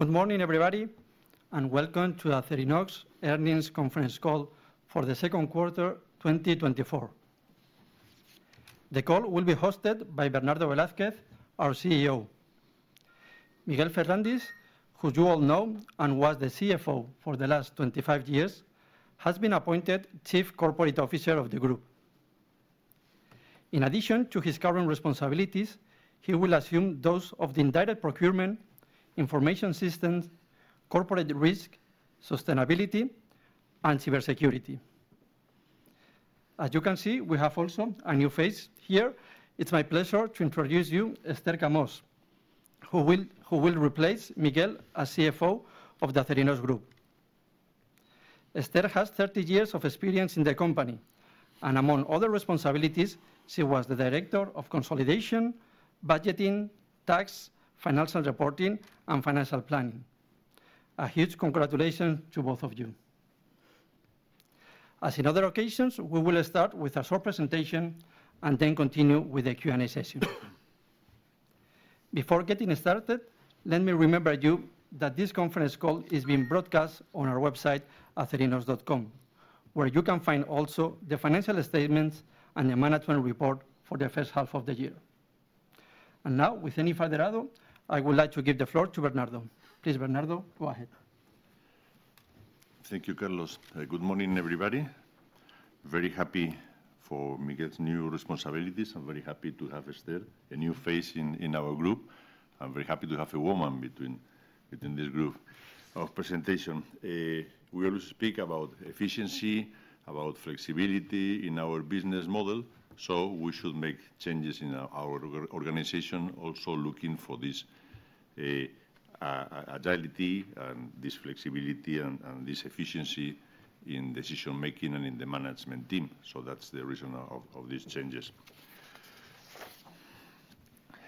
Good morning, everybody, and welcome to the Acerinox Earnings Conference Call for the Second Quarter 2024. The call will be hosted by Bernardo Velázquez, our CEO. Miguel Ferrandis, who you all know and was the CFO for the last 25 years, has been appointed Chief Corporate Officer of the Group. In addition to his current responsibilities, he will assume those of the Indirect Procurement, Information Systems, Corporate Risk, Sustainability, and Cybersecurity. As you can see, we have also a new face here. It's my pleasure to introduce you, Esther Camós, who will replace Miguel as CFO of the Acerinox Group. Esther has 30 years of experience in the company, and among other responsibilities, she was the Director of Consolidation, Budgeting, Tax, Financial Reporting, and Financial Planning. A huge congratulations to both of you. As in other occasions, we will start with a short presentation and then continue with the Q&A session. Before getting started, let me remind you that this conference call is being broadcast on our website, acerinox.com, where you can find also the financial statements and the management report for the first half of the year. And now, with any further ado, I would like to give the floor to Bernardo. Please, Bernardo, go ahead. Thank you, Carlos. Good morning, everybody. Very happy for Miguel's new responsibilities. I'm very happy to have Esther, a new face in our group. I'm very happy to have a woman in this group of presentation. We always speak about efficiency, about flexibility in our business model. So we should make changes in our organization, also looking for this agility and this flexibility and this efficiency in decision-making and in the management team. So that's the reason of these changes.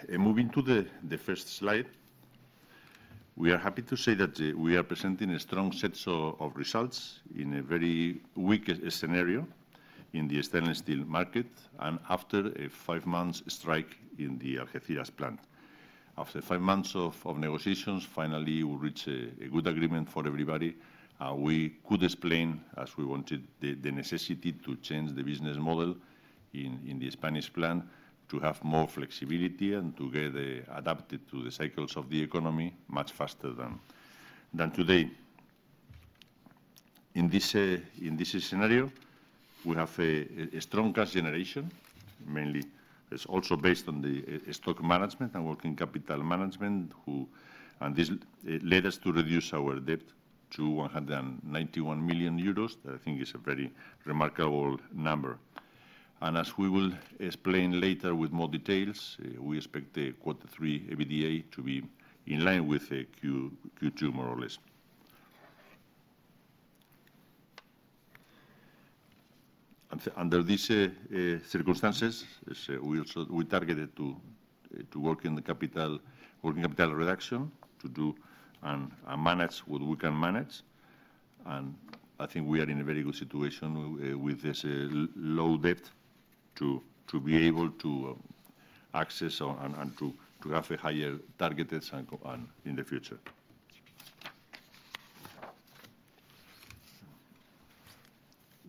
Moving to the first slide, we are happy to say that we are presenting a strong set of results in a very weak scenario in the stainless steel market and after a 5-month strike in the Algeciras plant. After 5 months of negotiations, finally, we reached a good agreement for everybody. We could explain, as we wanted, the necessity to change the business model in the Spanish plant to have more flexibility and to get adapted to the cycles of the economy much faster than today. In this scenario, we have a strong cash generation, mainly. It's also based on the stock management and working capital management, and this led us to reduce our debt to 191 million euros, which I think is a very remarkable number. As we will explain later with more details, we expect the quarter three EBITDA to be in line with Q2, more or less. Under these circumstances, we targeted to work in capital reduction to do and manage what we can manage. I think we are in a very good situation with this low debt to be able to access and to have a higher target in the future.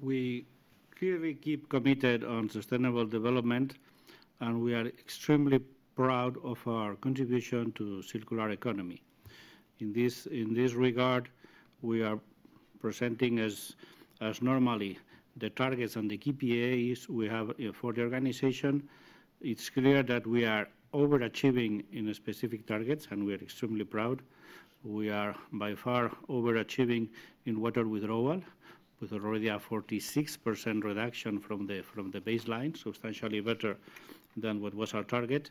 We clearly keep committed to sustainable development, and we are extremely proud of our contribution to the circular economy. In this regard, we are presenting as normally the targets and the KPIs we have for the organization. It's clear that we are overachieving in specific targets, and we are extremely proud. We are by far overachieving in water withdrawal, with already a 46% reduction from the baseline, substantially better than what was our target.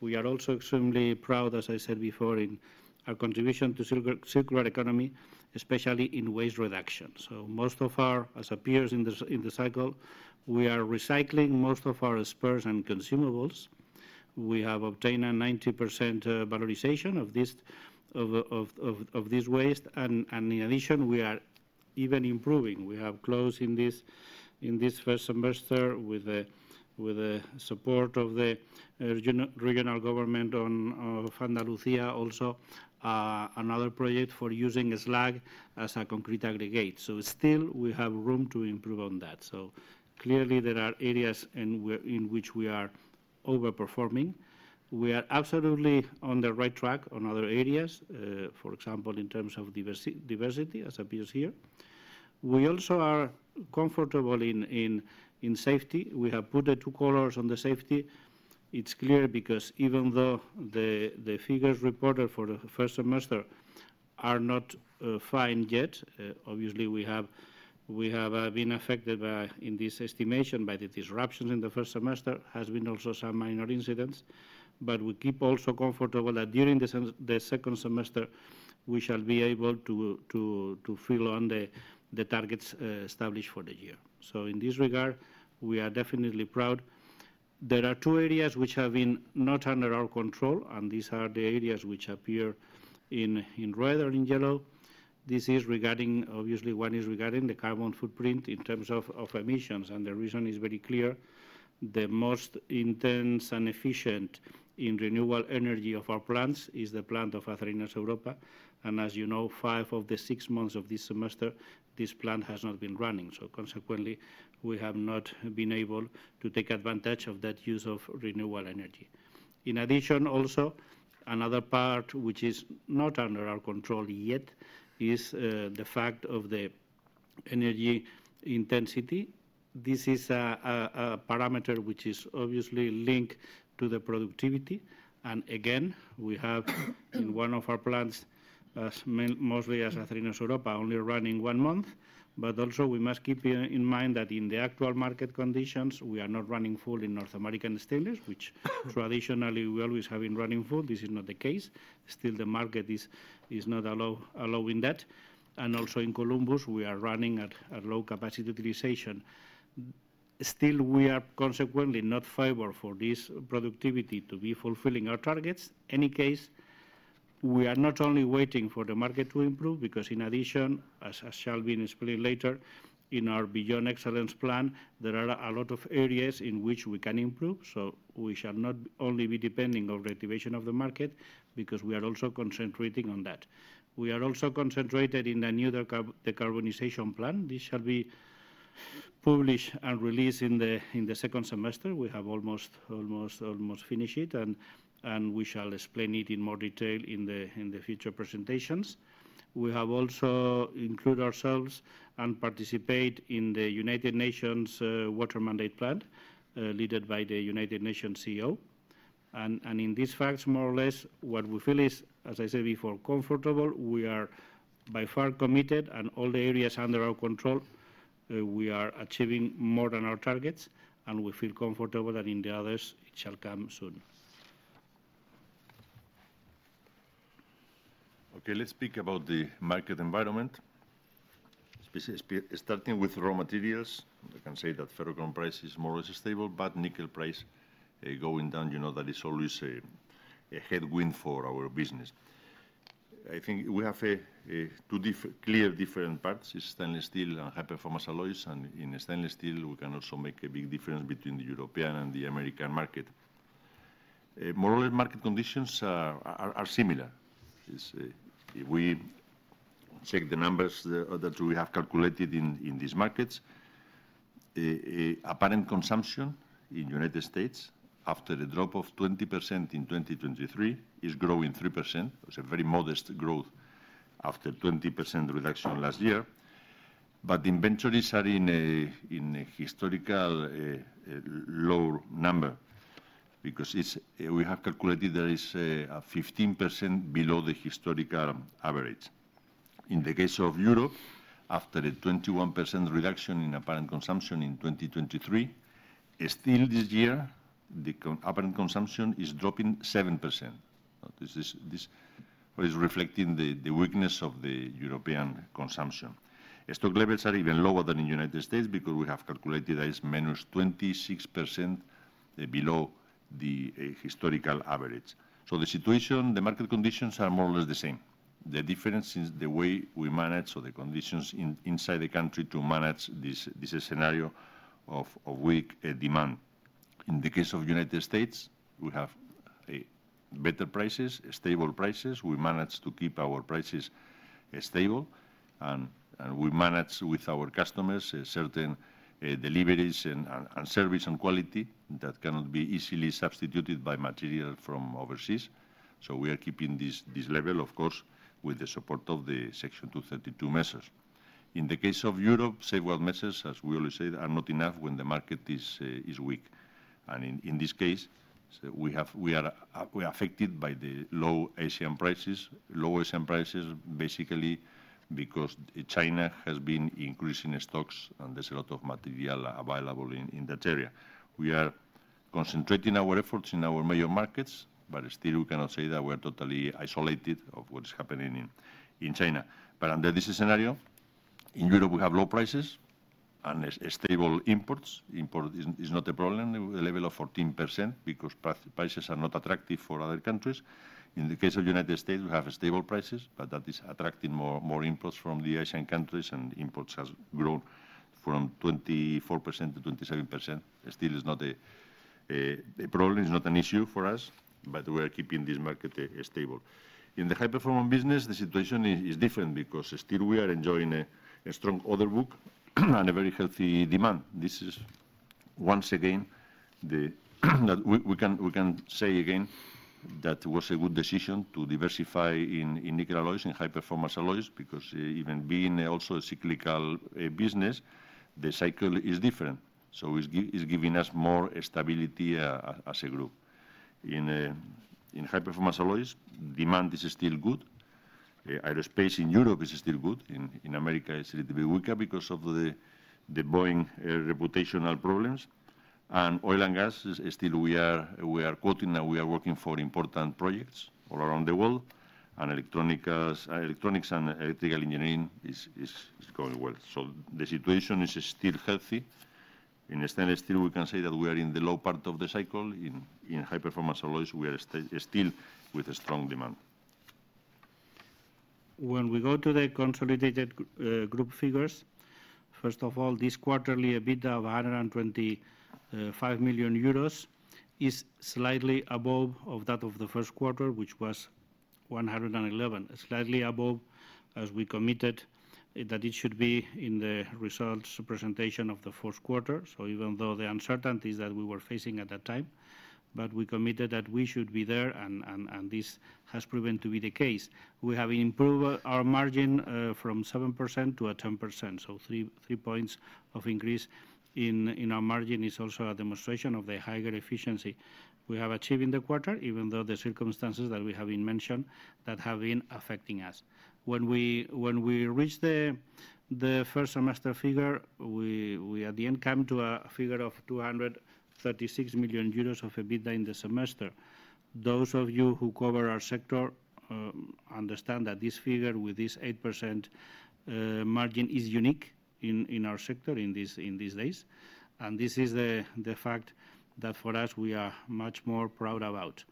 We are also extremely proud, as I said before, in our contribution to the circular economy, especially in waste reduction. So most of our, as appears in the cycle, we are recycling most of our spares and consumables. We have obtained a 90% valorization of this waste. And in addition, we are even improving. We have closed in this first semester with the support of the regional government of Andalucía, also another project for using slag as a concrete aggregate. Still, we have room to improve on that. Clearly, there are areas in which we are overperforming. We are absolutely on the right track on other areas, for example, in terms of diversity, as appears here. We also are comfortable in safety. We have put the two colors on the safety. It's clear because even though the figures reported for the first semester are not fine yet, obviously, we have been affected in this estimation by the disruptions in the first semester. There have been also some minor incidents, but we keep also comfortable that during the second semester, we shall be able to fill on the targets established for the year. In this regard, we are definitely proud. There are two areas which have been not under our control, and these are the areas which appear in red and in yellow. This is regarding, obviously, what is regarding the carbon footprint in terms of emissions. The reason is very clear. The most intense and efficient in renewable energy of our plants is the plant of Acerinox Europa. And as you know, 5 of the 6 months of this semester, this plant has not been running. So consequently, we have not been able to take advantage of that use of renewable energy. In addition, also, another part which is not under our control yet is the fact of the energy intensity. This is a parameter which is obviously linked to the productivity. And again, we have in one of our plants, mostly as Acerinox Europa, only running one month. But also, we must keep in mind that in the actual market conditions, we are not running full in North American Stainless, which traditionally we always have been running full. This is not the case. Still, the market is not allowing that. And also in Columbus Stainless, we are running at low capacity utilization. Still, we are consequently not favorable for this productivity to be fulfilling our targets. In any case, we are not only waiting for the market to improve because in addition, as I shall be explaining later, in our Beyond Excellence plan, there are a lot of areas in which we can improve. So we shall not only be depending on the activation of the market because we are also concentrating on that. We are also concentrated in the new decarbonization plan. This shall be published and released in the second semester. We have almost finished it, and we shall explain it in more detail in the future presentations. We have also included ourselves and participate in the United Nations Water Mandate, led by the United Nations CEO. In these facts, more or less, what we feel is, as I said before, comfortable. We are by far committed, and all the areas under our control, we are achieving more than our targets, and we feel comfortable that in the others, it shall come soon. Okay, let's speak about the market environment. Starting with raw materials, I can say that ferrochrome price is more or less stable, but nickel price going down, you know that is always a headwind for our business. I think we have two clear different parts: it's stainless steel and high-performance alloys. In stainless steel, we can also make a big difference between the European and the American market. More or less, market conditions are similar. If we check the numbers that we have calculated in these markets, apparent consumption in the United States after a drop of 20% in 2023 is growing 3%. It's a very modest growth after 20% reduction last year. But inventories are in a historical low number because we have calculated there is a 15% below the historical average. In the case of Europe, after a 21% reduction in apparent consumption in 2023, still this year, the apparent consumption is dropping 7%. This is reflecting the weakness of the European consumption. Stock levels are even lower than in the United States because we have calculated that it's -26% below the historical average. So the situation, the market conditions are more or less the same. The difference is the way we manage or the conditions inside the country to manage this scenario of weak demand. In the case of the United States, we have better prices, stable prices. We manage to keep our prices stable, and we manage with our customers certain deliveries and service and quality that cannot be easily substituted by material from overseas. So we are keeping this level, of course, with the support of the Section 232 measures. In the case of Europe, safeguard measures, as we always say, are not enough when the market is weak. And in this case, we are affected by the low ASEAN prices, low ASEAN prices, basically because China has been increasing stocks, and there's a lot of material available in that area. We are concentrating our efforts in our major markets, but still, we cannot say that we are totally isolated from what is happening in China. But under this scenario, in Europe, we have low prices and stable imports. Import is not a problem, a level of 14%, because prices are not attractive for other countries. In the case of the United States, we have stable prices, but that is attracting more imports from the ASEAN countries, and imports have grown from 24% to 27%. Still, it's not a problem. It's not an issue for us, but we are keeping this market stable. In the high-performance business, the situation is different because still, we are enjoying a strong order book and a very healthy demand. This is once again that we can say again that it was a good decision to diversify in nickel alloys, in high-performance alloys, because even being also a cyclical business, the cycle is different. So it's giving us more stability as a group. In high-performance alloys, demand is still good. Aerospace in Europe is still good. In America, it's a little bit weaker because of the Boeing reputational problems. And oil and gas, still, we are quoting that we are working for important projects all around the world. And electronics and electrical engineering is going well. So the situation is still healthy. In stainless steel, we can say that we are in the low part of the cycle. In high-performance alloys, we are still with a strong demand. When we go to the consolidated group figures, first of all, this quarterly, an EBITDA of 125 million euros is slightly above that of the first quarter, which was 111 million, slightly above, as we committed, that it should be in the results presentation of the fourth quarter. So even though the uncertainty that we were facing at that time, but we committed that we should be there, and this has proven to be the case. We have improved our margin from 7%-10%. So three points of increase in our margin is also a demonstration of the higher efficiency we have achieved in the quarter, even though the circumstances that we have mentioned that have been affecting us. When we reach the first semester figure, we at the end come to a figure of 236 million euros of an EBITDA in the semester. Those of you who cover our sector understand that this figure with this 8% margin is unique in our sector in these days. This is the fact that for us, we are much more proud about.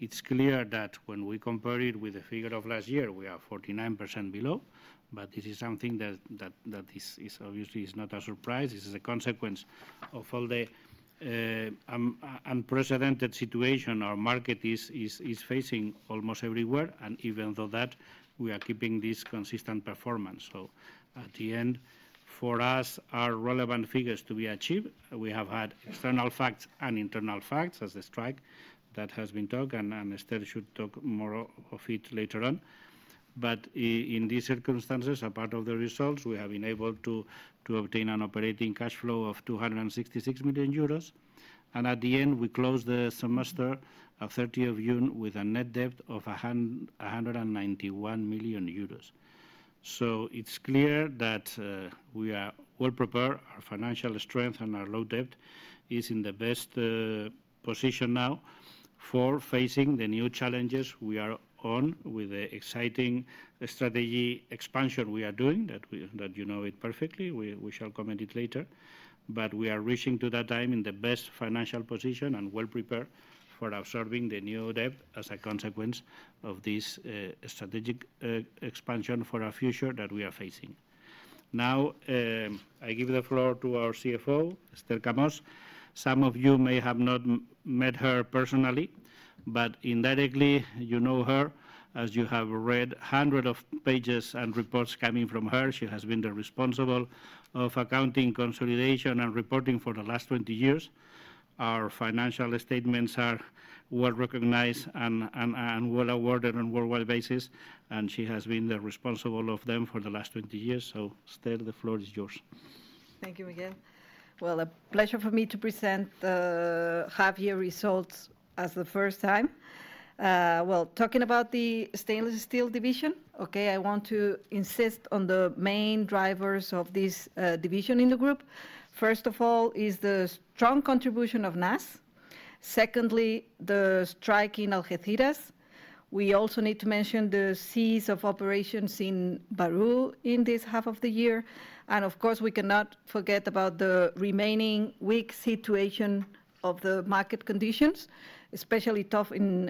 It's clear that when we compare it with the figure of last year, we are 49% below, but this is something that is obviously not a surprise. This is a consequence of all the unprecedented situation our market is facing almost everywhere. Even though that, we are keeping this consistent performance. At the end, for us, our relevant figures to be achieved, we have had external facts and internal facts, as the strike that has been talked, and Esther should talk more of it later on. In these circumstances, apart from the results, we have been able to obtain an operating cash flow of 266 million euros. At the end, we closed the semester of 30th of June with a net debt of 191 million euros. So it's clear that we are well prepared. Our financial strength and our low debt is in the best position now for facing the new challenges we are on with the exciting strategy expansion we are doing, that you know it perfectly. We shall comment it later. We are reaching to that time in the best financial position and well prepared for absorbing the new debt as a consequence of this strategic expansion for our future that we are facing. Now, I give the floor to our CFO, Esther Camós. Some of you may have not met her personally, but indirectly, you know her, as you have read hundreds of pages and reports coming from her. She has been the responsible of accounting, consolidation, and reporting for the last 20 years. Our financial statements are well recognized and well awarded on a worldwide basis, and she has been the responsible of them for the last 20 years. Esther, the floor is yours. Thank you, Miguel. Well, a pleasure for me to present the half-year results as the first time. Well, talking about the stainless steel division, okay, I want to insist on the main drivers of this division in the group. First of all, is the strong contribution of NAS. Secondly, the strike in Algeciras. We also need to mention the cease of operations in Bahru in this half of the year. And of course, we cannot forget about the remaining weak situation of the market conditions, especially tough in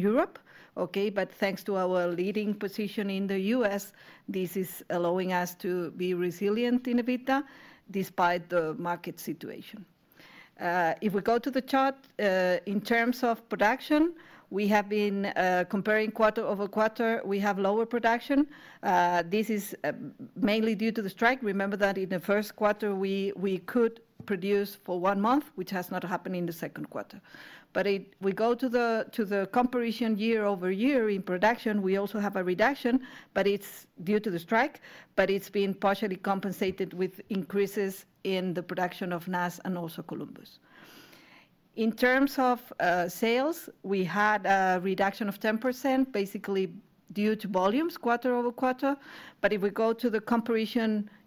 Europe. Okay, but thanks to our leading position in the U.S., this is allowing us to be resilient in EBITDA despite the market situation. If we go to the chart, in terms of production, we have been comparing quarter-over-quarter. We have lower production. This is mainly due to the strike. Remember that in the first quarter, we could produce for one month, which has not happened in the second quarter. But if we go to the year-over-year comparison in production, we also have a reduction, but it's due to the strike, but it's been partially compensated with increases in the production of NAS and also Columbus. In terms of sales, we had a reduction of 10%, basically due to volumes quarter-over-quarter. But if we go to the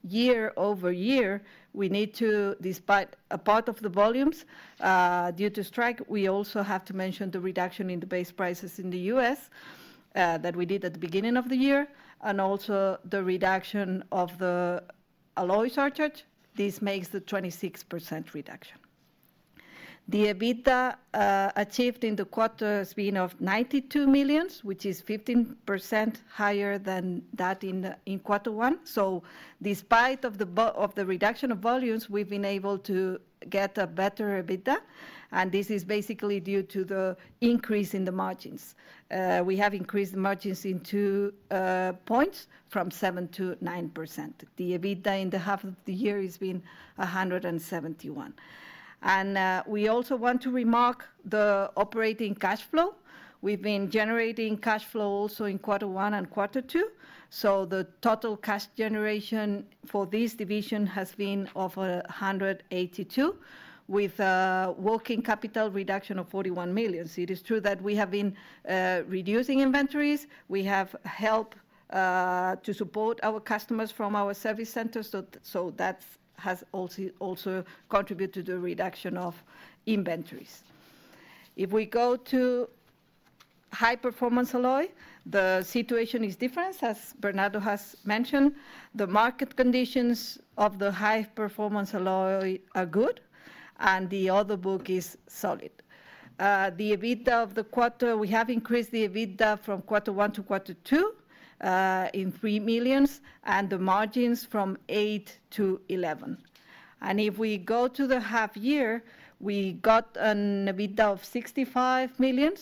year-over-year comparison, we need to, despite a part of the volumes due to strike, we also have to mention the reduction in the base prices in the U.S. that we did at the beginning of the year, and also the reduction of the alloy charge. This makes the 26% reduction. The EBITDA achieved in the quarter has been 92 million, which is 15% higher than that in quarter one. So despite the reduction of volumes, we've been able to get a better EBITDA, and this is basically due to the increase in the margins. We have increased the margins in two points from 7%-9%. The EBITDA in the half of the year has been 171 million. We also want to remark the operating cash flow. We've been generating cash flow also in quarter one and quarter two. So the total cash generation for this division has been 182 million, with a working capital reduction of 41 million. It is true that we have been reducing inventories. We have helped to support our customers from our service centers. So that has also contributed to the reduction of inventories. If we go to high-performance alloy, the situation is different, as Bernardo has mentioned. The market conditions of the high-performance alloy are good, and the order book is solid. The EBITDA of the quarter, we have increased the EBITDA from quarter one to quarter two in 3 million, and the margins from 8%-11%. If we go to the half year, we got an EBITDA of 65 million.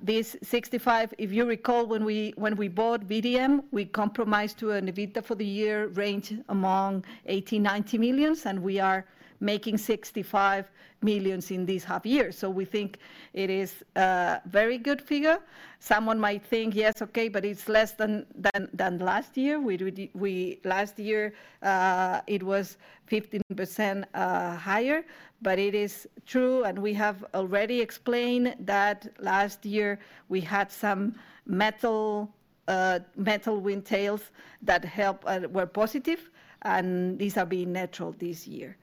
This 65, if you recall, when we bought VDM, we compromised to an EBITDA for the year range among 80-90 million, and we are making 65 million in this half year. So we think it is a very good figure. Someone might think, yes, okay, but it's less than last year. Last year, it was 15% higher, but it is true. We have already explained that last year we had some metal windfalls that were positive, and these are being neutral this year.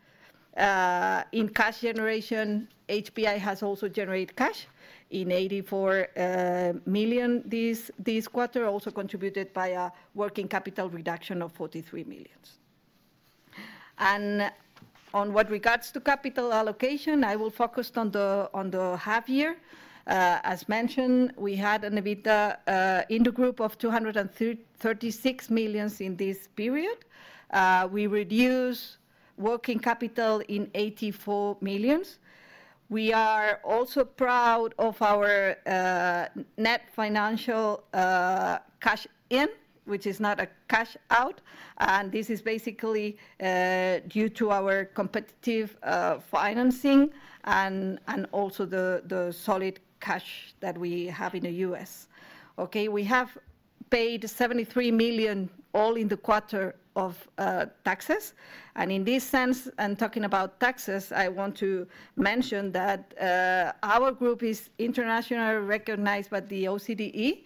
In cash generation, HPA has also generated cash in 84 million this quarter, also contributed by a working capital reduction of 43 million. On what regards to capital allocation, I will focus on the half year. As mentioned, we had an EBITDA in the group of 236 million in this period. We reduced working capital in 84 million. We are also proud of our net financial cash in, which is not a cash out. This is basically due to our competitive financing and also the solid cash that we have in the U.S. Okay, we have paid 73 million in the quarter in taxes. And in this sense, and talking about taxes, I want to mention that our group is internationally recognized by the OCDE.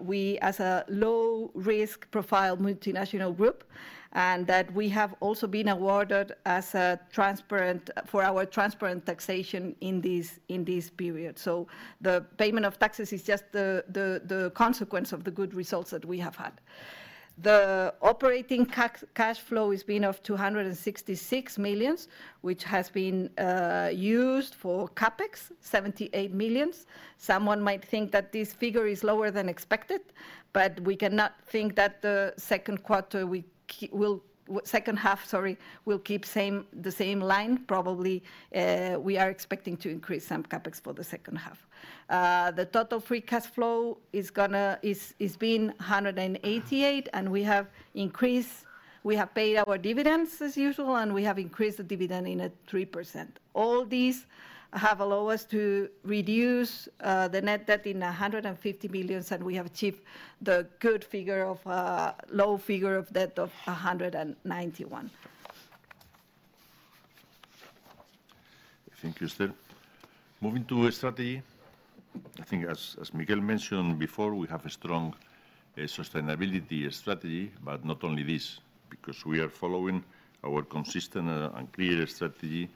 We are a low-risk profile multinational group, and that we have also been awarded for our transparent taxation in this period. So the payment of taxes is just the consequence of the good results that we have had. The operating cash flow has been 266 million, which has been used for CapEx, 78 million. Someone might think that this figure is lower than expected, but we cannot think that the second quarter, second half, sorry, will keep the same line. Probably we are expecting to increase some CapEx for the second half. The total free cash flow has been 188 million, and we have increased. We have paid our dividends as usual, and we have increased the dividend in at 3%. All these have allowed us to reduce the net debt in 150 million, and we have achieved the good figure of a low figure of debt of 191 million. Thank you, Esther. Moving to strategy. I think, as Miguel mentioned before, we have a strong sustainability strategy, but not only this, because we are following our consistent and clear strategy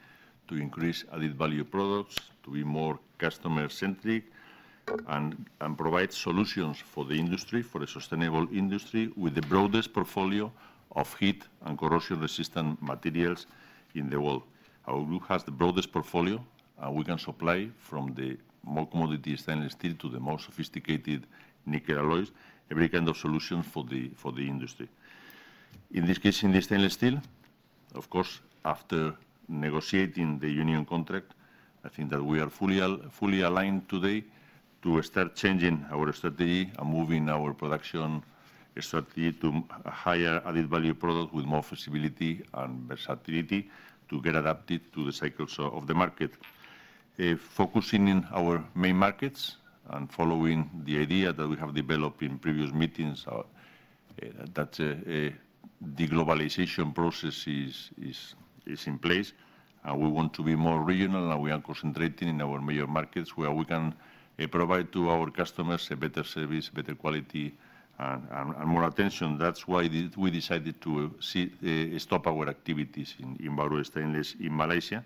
to increase added value products, to be more customer-centric, and provide solutions for the industry, for a sustainable industry with the broadest portfolio of heat and corrosion-resistant materials in the world. Our group has the broadest portfolio, and we can supply from the more commodity stainless steel to the more sophisticated nickel alloys, every kind of solution for the industry. In this case, in the stainless steel, of course, after negotiating the union contract, I think that we are fully aligned today to start changing our strategy and moving our production strategy to a higher added value product with more flexibility and versatility to get adapted to the cycles of the market. Focusing in our main markets and following the idea that we have developed in previous meetings, that the globalization process is in place, and we want to be more regional, and we are concentrating in our major markets where we can provide to our customers a better service, better quality, and more attention. That's why we decided to stop our activities in Bahru Stainless in Malaysia.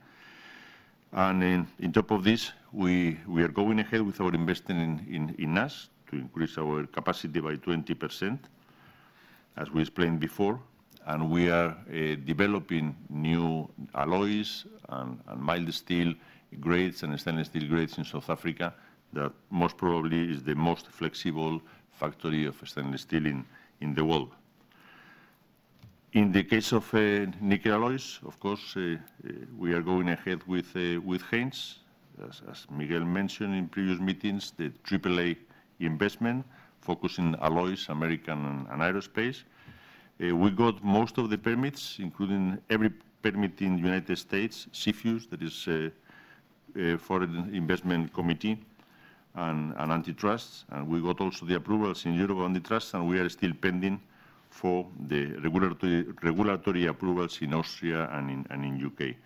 On top of this, we are going ahead with our investment in NAS to increase our capacity by 20%, as we explained before. We are developing new alloys and mild steel grades and stainless steel grades in South Africa that most probably is the most flexible factory of stainless steel in the world. In the case of nickel alloys, of course, we are going ahead with Haynes, as Miguel mentioned in previous meetings, the AAA investment focusing alloys, American, and aerospace. We got most of the permits, including every permit in the United States, CFIUS, that is a Foreign Investment Committee and Antitrust. We got also the approvals in Europe, Antitrust, and we are still pending for the regulatory approvals in Austria and in the U.K.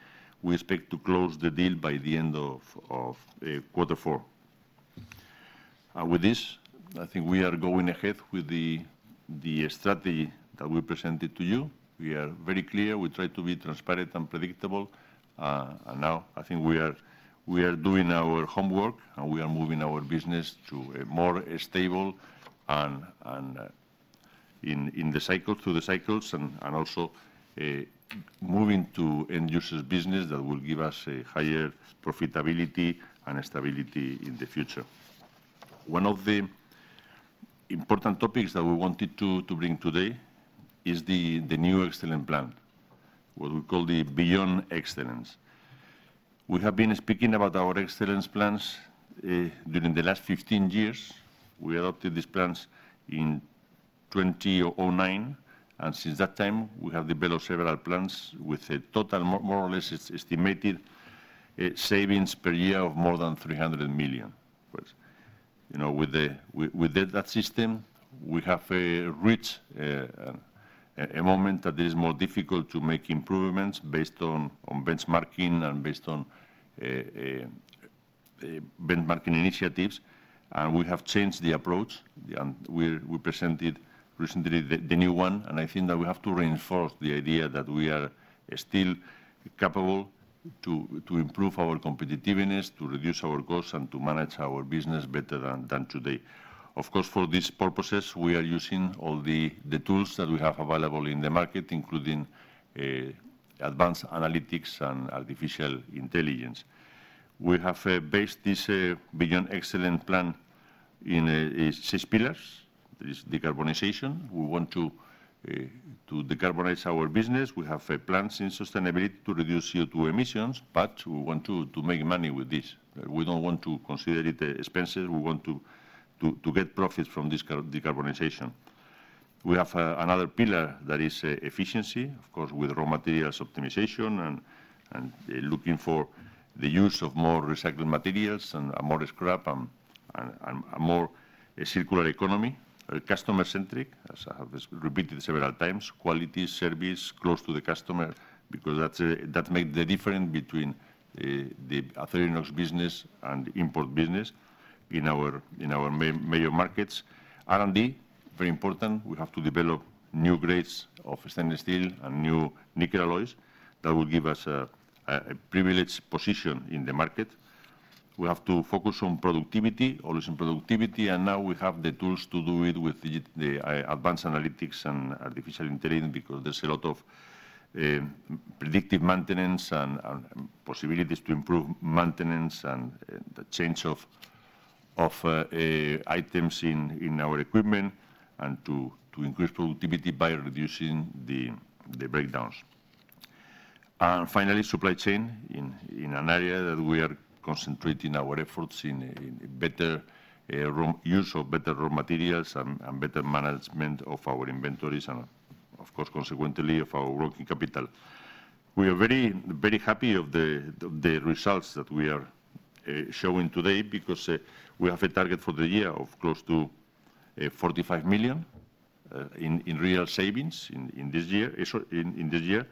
We expect to close the deal by the end of quarter four. With this, I think we are going ahead with the strategy that we presented to you. We are very clear. We try to be transparent and predictable. Now, I think we are doing our homework, and we are moving our business to a more stable and in the cycles to the cycles and also moving to end-user business that will give us a higher profitability and stability in the future. One of the important topics that we wanted to bring today is the new Excellence plan, what we call the Beyond Excellence. We have been speaking about our excellence plans during the last 15 years. We adopted these plans in 2009, and since that time, we have developed several plans with a total, more or less estimated savings per year of more than 300 million. With that system, we have reached a moment that it is more difficult to make improvements based on benchmarking and based on benchmarking initiatives. We have changed the approach, and we presented recently the new one. I think that we have to reinforce the idea that we are still capable to improve our competitiveness, to reduce our costs, and to manage our business better than today. Of course, for these purposes, we are using all the tools that we have available in the market, including Advanced Analytics and Artificial Intelligence. We have based this Beyond Excellence plan in six pillars. There is decarbonization. We want to decarbonize our business. We have plans in sustainability to reduce CO2 emissions, but we want to make money with this. We don't want to consider it expensive. We want to get profits from this decarbonization. We have another pillar that is efficiency, of course, with raw materials optimization and looking for the use of more recycled materials and more scrap and a more Circular Economy. Customer-centric, as I have repeated several times, quality service close to the customer, because that makes the difference between the Acerinox business and the import business in our major markets. R&D, very important. We have to develop new grades of stainless steel and new nickel alloys that will give us a privileged position in the market. We have to focus on productivity, always on productivity. And now we have the tools to do it with the advanced analytics and artificial intelligence, because there's a lot of predictive maintenance and possibilities to improve maintenance and the change of items in our equipment and to increase productivity by reducing the breakdowns. And finally, supply chain in an area that we are concentrating our efforts in better use of better raw materials and better management of our inventories and, of course, consequently, of our working capital. We are very happy of the results that we are showing today, because we have a target for the year of close to 45 million in real savings in this year.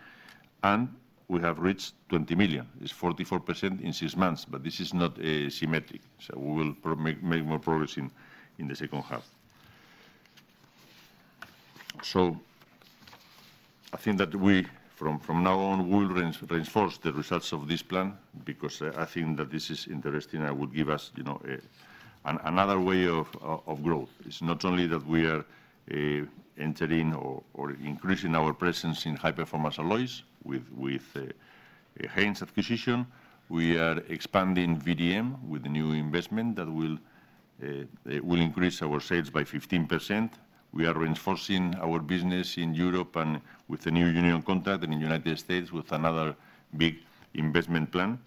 And we have reached 20 million. It's 44% in six months, but this is not symmetric. So we will make more progress in the second half. So I think that we, from now on, will reinforce the results of this plan, because I think that this is interesting and will give us another way of growth. It's not only that we are entering or increasing our presence in high-performance alloys with Haynes acquisition. We are expanding VDM with the new investment that will increase our sales by 15%. We are reinforcing our business in Europe and with the new union contract in the United States with another big investment plan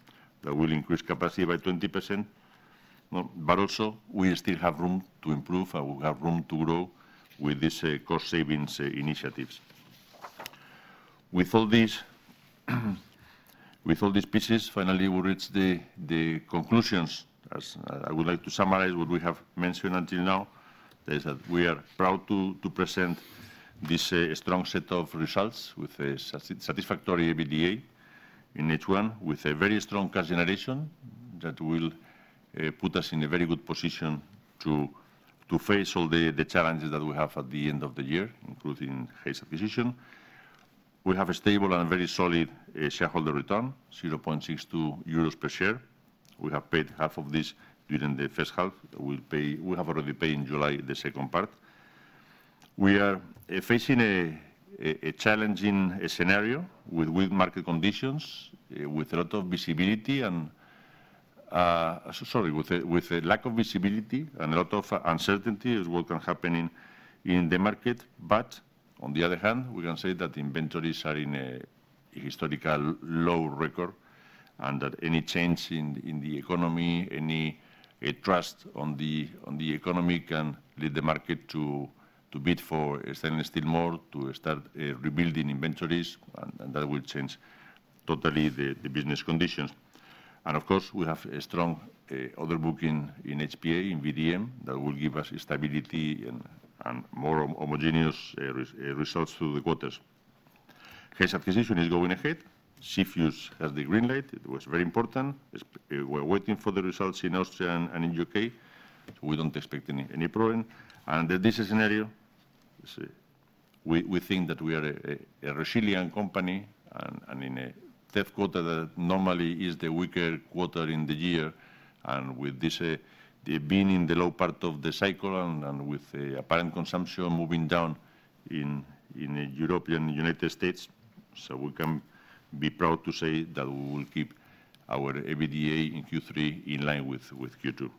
that will increase capacity by 20%. But also, we still have room to improve and we have room to grow with these cost savings initiatives. With all these pieces, finally, we reached the conclusions. I would like to summarize what we have mentioned until now. That is that we are proud to present this strong set of results with a satisfactory EBITDA in each one, with a very strong cash generation that will put us in a very good position to face all the challenges that we have at the end of the year, including Haynes acquisition. We have a stable and very solid shareholder return, 0.62 euros per share. We have paid half of this during the first half. We have already paid in July the second part. We are facing a challenging scenario with weak market conditions, with a lot of visibility and, sorry, with a lack of visibility and a lot of uncertainty is what can happen in the market. But on the other hand, we can say that inventories are in a historical low record and that any change in the economy, any trust on the economy can lead the market to bid for stainless steel more to start rebuilding inventories, and that will change totally the business conditions. And of course, we have a strong order booking in HPA, in VDM, that will give us stability and more homogeneous results through the quarters. Haynes acquisition is going ahead. CFIUS has the green light. It was very important. We're waiting for the results in Austria and in the U.K. We don't expect any problem. And in this scenario, we think that we are a resilient company and in a third quarter that normally is the weaker quarter in the year. With this being in the low part of the cycle and with the apparent consumption moving down in Europe and the United States, so we can be proud to say that we will keep our EBITDA in Q3 in line with Q2.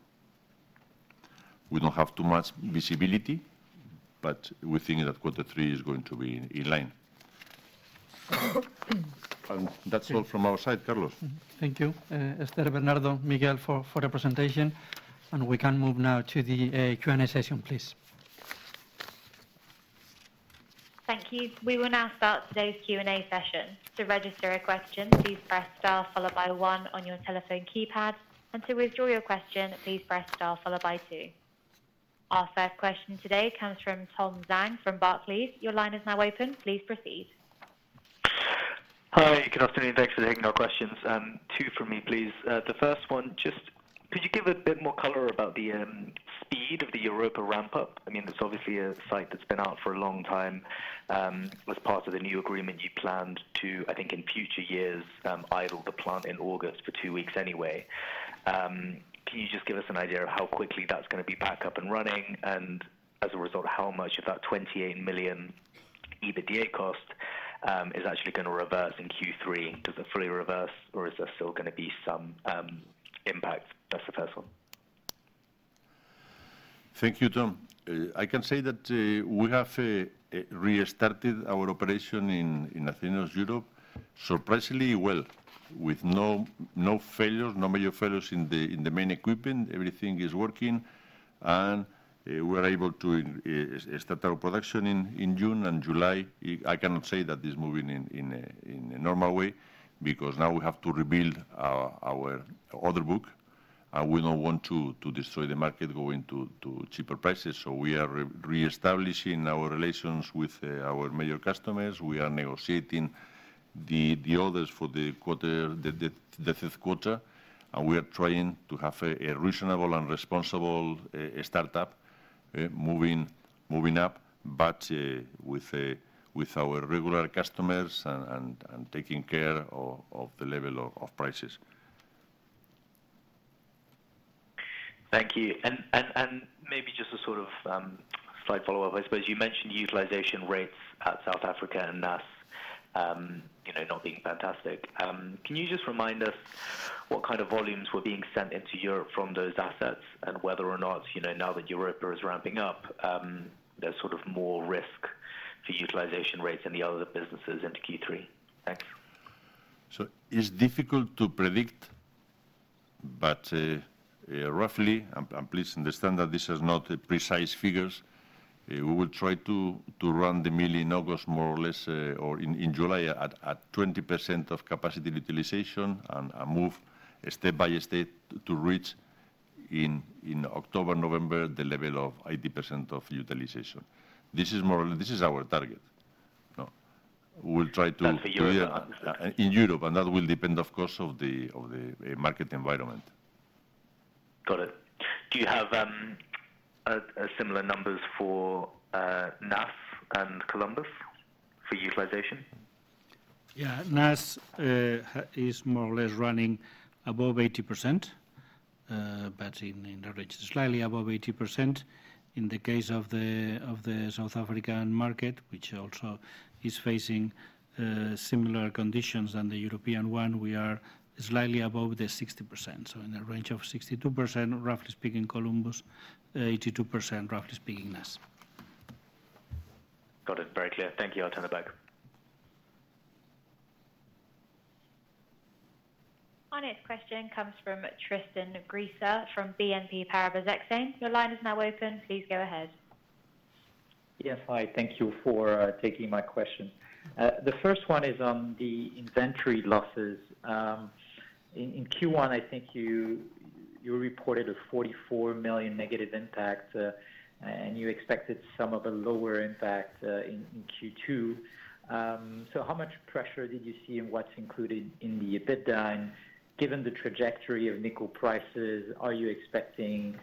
We don't have too much visibility, but we think that quarter three is going to be in line. That's all from our side, Carlos. Thank you, Esther, Bernardo, Miguel for your presentation. We can move now to the Q&A session, please. Thank you. We will now start today's Q&A session. To register a question, please press star followed by one on your telephone keypad, and to withdraw your question, please press star followed by two. Our first question today comes from Tom Zhang from Barclays. Your line is now open. Please proceed. Hi, good afternoon. Thanks for taking our questions. 2 from me, please. The first one, just could you give a bit more color about the speed of the Europa ramp-up? I mean, it's obviously a site that's been out for a long time. As part of the new agreement, you planned to, I think, in future years, idle the plant in August for 2 weeks anyway. Can you just give us an idea of how quickly that's going to be back up and running? And as a result, how much of that 28 million EBITDA cost is actually going to reverse in Q3? Does it fully reverse, or is there still going to be some impact? That's the first one. Thank you, Tom. I can say that we have restarted our operation in Acerinox Europa surprisingly well, with no failures, no major failures in the main equipment. Everything is working, and we are able to start our production in June and July. I cannot say that it's moving in a normal way, because now we have to rebuild our order book, and we don't want to destroy the market going to cheaper prices. So we are reestablishing our relations with our major customers. We are negotiating the orders for the third quarter, and we are trying to have a reasonable and responsible startup moving up, but with our regular customers and taking care of the level of prices. Thank you. And maybe just a sort of slight follow-up. I suppose you mentioned utilization rates at South Africa and NAS not being fantastic. Can you just remind us what kind of volumes were being sent into Europe from those assets and whether or not, now that Europa is ramping up, there's sort of more risk to utilization rates in the other businesses into Q3? Thanks. So it's difficult to predict, but roughly, and please understand that this is not precise figures. We will try to run the mill in August, more or less, or in July at 20% of capacity utilization and move step by step to reach in October, November, the level of 80% of utilization. This is our target. We'll try to. That's for Europe? In Europe, and that will depend, of course, on the market environment. Got it. Do you have similar numbers for NAS and Columbus for utilization? Yeah, NAS is more or less running above 80%, but in the region, slightly above 80%. In the case of the South African market, which also is facing similar conditions than the European one, we are slightly above 60%. So in the range of 62%, roughly speaking, Columbus, 82%, roughly speaking, NAS. Got it. Very clear. Thank you. I'll turn it back. A question comes from Tristan Gresser from BNP Paribas Exane. Your line is now open. Please go ahead. Yes, hi. Thank you for taking my question. The first one is on the inventory losses. In Q1, I think you reported a 44 million negative impact, and you expected some of a lower impact in Q2. So how much pressure did you see in what's included in the EBITDA? And given the trajectory of nickel prices, are you expecting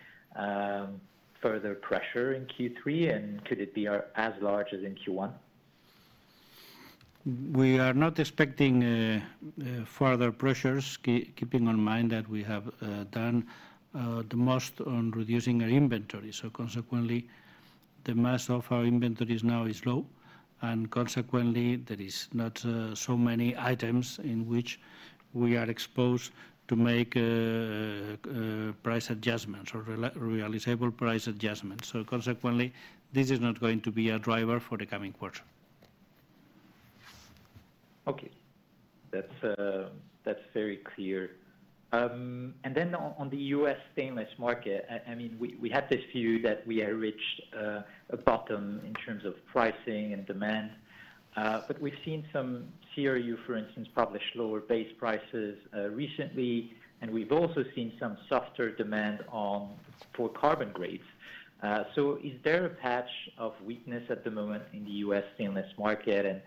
further pressure in Q3, and could it be as large as in Q1? We are not expecting further pressures, keeping in mind that we have done the most on reducing our inventory. So consequently, the mass of our inventories now is low, and consequently, there are not so many items in which we are exposed to make price adjustments or realizable price adjustments. So consequently, this is not going to be a driver for the coming quarter. Okay. That's very clear. And then on the U.S. stainless market, I mean, we had this view that we had reached a bottom in terms of pricing and demand, but we've seen some CRU, for instance, publish lower base prices recently, and we've also seen some softer demand for carbon grades. So is there a patch of weakness at the moment in the U.S. stainless market, and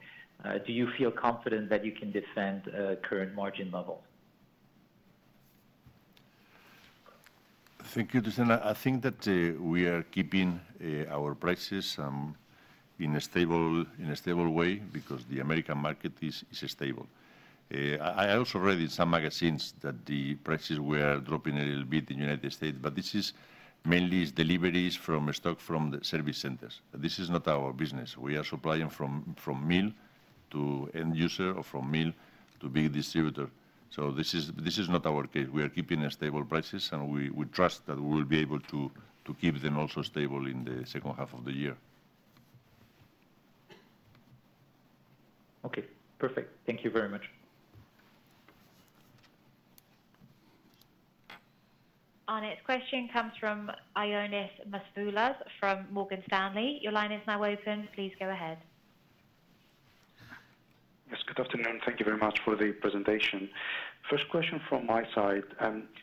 do you feel confident that you can defend current margin levels? Thank you, Tristan. I think that we are keeping our prices in a stable way because the American market is stable. I also read in some magazines that the prices were dropping a little bit in the United States, but this is mainly deliveries from stock from the service centers. This is not our business. We are supplying from mill to end user or from mill to big distributor. So this is not our case. We are keeping stable prices, and we trust that we will be able to keep them also stable in the second half of the year. Okay. Perfect. Thank you very much. Our next question comes from Ioannis Masvoulas from Morgan Stanley. Your line is now open. Please go ahead. Yes, good afternoon. Thank you very much for the presentation. First question from my side.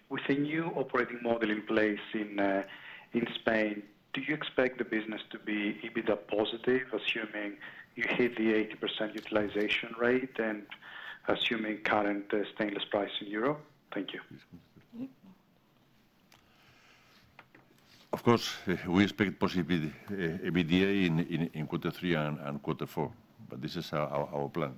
With the new operating model in place in Spain, do you expect the business to be EBITDA positive, assuming you hit the 80% utilization rate and assuming current stainless price in Europe? Thank you. Of course, we expect positive EBITDA in quarter three and quarter four, but this is our plan.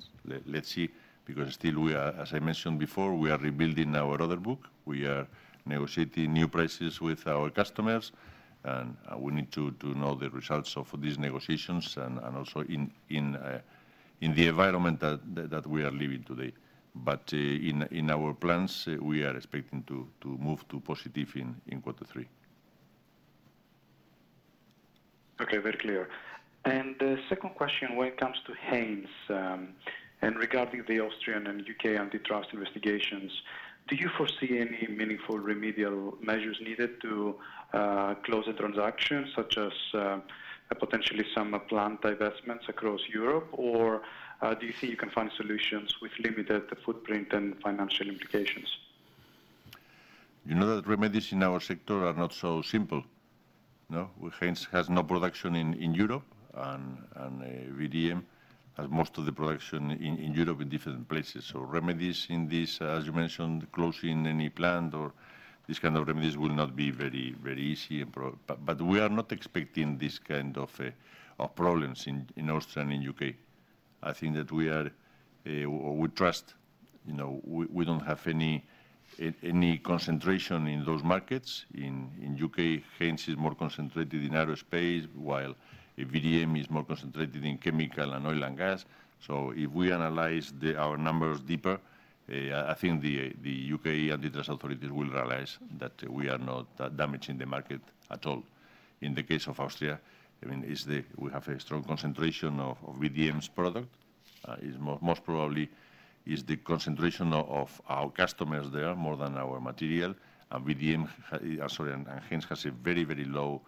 Let's see, because still, as I mentioned before, we are rebuilding our order book. We are negotiating new prices with our customers, and we need to know the results of these negotiations and also in the environment that we are living today. But in our plans, we are expecting to move to positive in quarter three. Okay, very clear. The second question, when it comes to Haynes and regarding the Austrian and U.K. antitrust investigations, do you foresee any meaningful remedial measures needed to close the transaction, such as potentially some plant divestments across Europe, or do you think you can find solutions with limited footprint and financial implications? You know that remedies in our sector are not so simple. Haynes has no production in Europe, and VDM has most of the production in Europe in different places. So remedies in this, as you mentioned, closing any plant or this kind of remedies will not be very easy. But we are not expecting this kind of problems in Austria and in U.K. I think that we are or we trust we don't have any concentration in those markets. In U.K., Haynes is more concentrated in aerospace, while VDM is more concentrated in chemical and oil and gas. So if we analyze our numbers deeper, I think the U.K. antitrust authorities will realize that we are not damaging the market at all. In the case of Austria, I mean, we have a strong concentration of VDM's product. Most probably, it's the concentration of our customers there more than our material. And VDM, sorry, and Haynes has a very, very low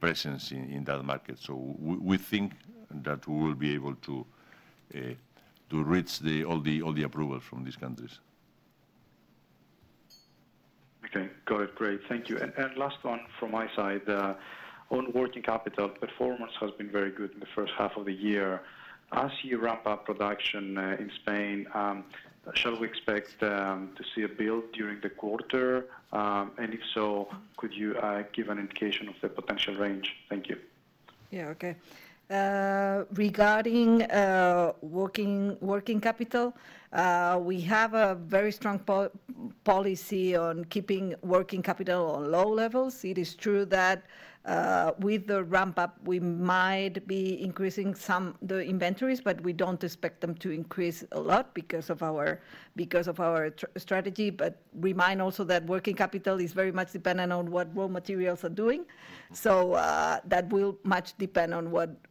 presence in that market. So we think that we will be able to reach all the approvals from these countries. Okay. Got it. Great. Thank you. And last one from my side. On working capital, performance has been very good in the first half of the year. As you ramp up production in Spain, shall we expect to see a build during the quarter? And if so, could you give an indication of the potential range? Thank you. Yeah, okay. Regarding working capital, we have a very strong policy on keeping working capital on low levels. It is true that with the ramp-up, we might be increasing some of the inventories, but we don't expect them to increase a lot because of our strategy. But remind also that working capital is very much dependent on what raw materials are doing. So that will much depend on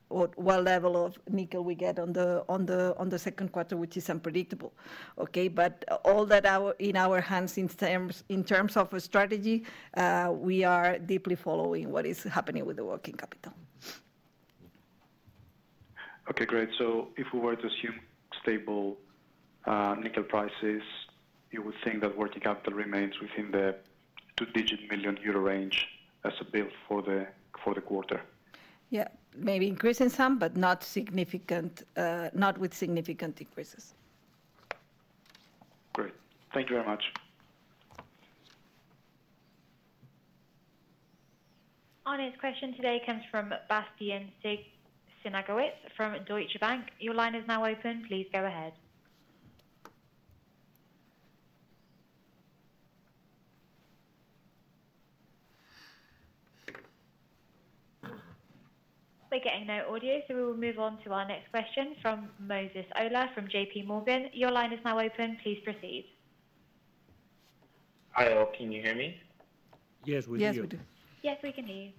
what level of nickel we get on the second quarter, which is unpredictable. Okay? But all that in our hands in terms of a strategy, we are deeply following what is happening with the working capital. Okay, great. So if we were to assume stable nickel prices, you would think that working capital remains within the two-digit million EUR range as a build for the quarter? Yeah, maybe increasing some, but not with significant increases. Great. Thank you very much. Honest question today comes from Bastian Synagowitz from Deutsche Bank. Your line is now open. Please go ahead. We're getting no audio, so we will move on to our next question from Moses Ola from JPMorgan. Your line is now open. Please proceed. Hi, all. Can you hear me? Yes, we do. Yes, we do. Yes, we can hear you.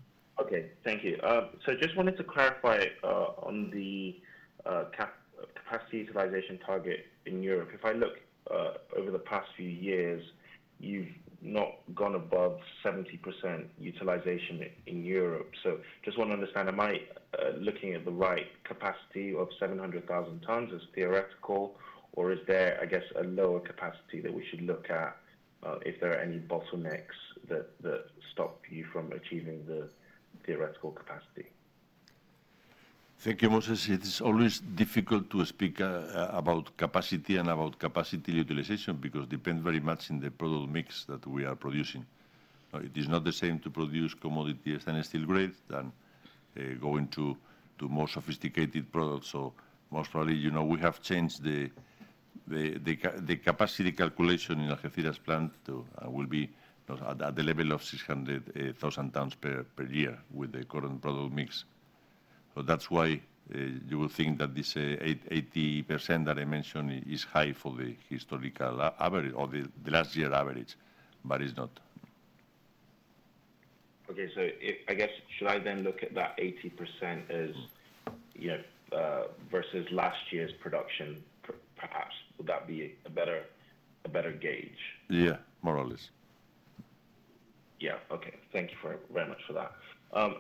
Okay. Thank you. So I just wanted to clarify on the capacity utilization target in Europe. If I look over the past few years, you've not gone above 70% utilization in Europe. So just want to understand, am I looking at the right capacity of 700,000 tonnes as theoretical, or is there, I guess, a lower capacity that we should look at if there are any bottlenecks that stop you from achieving the theoretical capacity? Thank you, Moses. It is always difficult to speak about capacity and about capacity utilization because it depends very much on the product mix that we are producing. It is not the same to produce commodities and steel grades than going to more sophisticated products. So most probably, we have changed the capacity calculation in our Algeciras plant to at the level of 600,000 tonnes per year with the current product mix. So that's why you will think that this 80% that I mentioned is high for the historical average or the last year average, but it's not. Okay. So I guess, should I then look at that 80% versus last year's production perhaps? Would that be a better gauge? Yeah, more or less. Yeah. Okay. Thank you very much for that.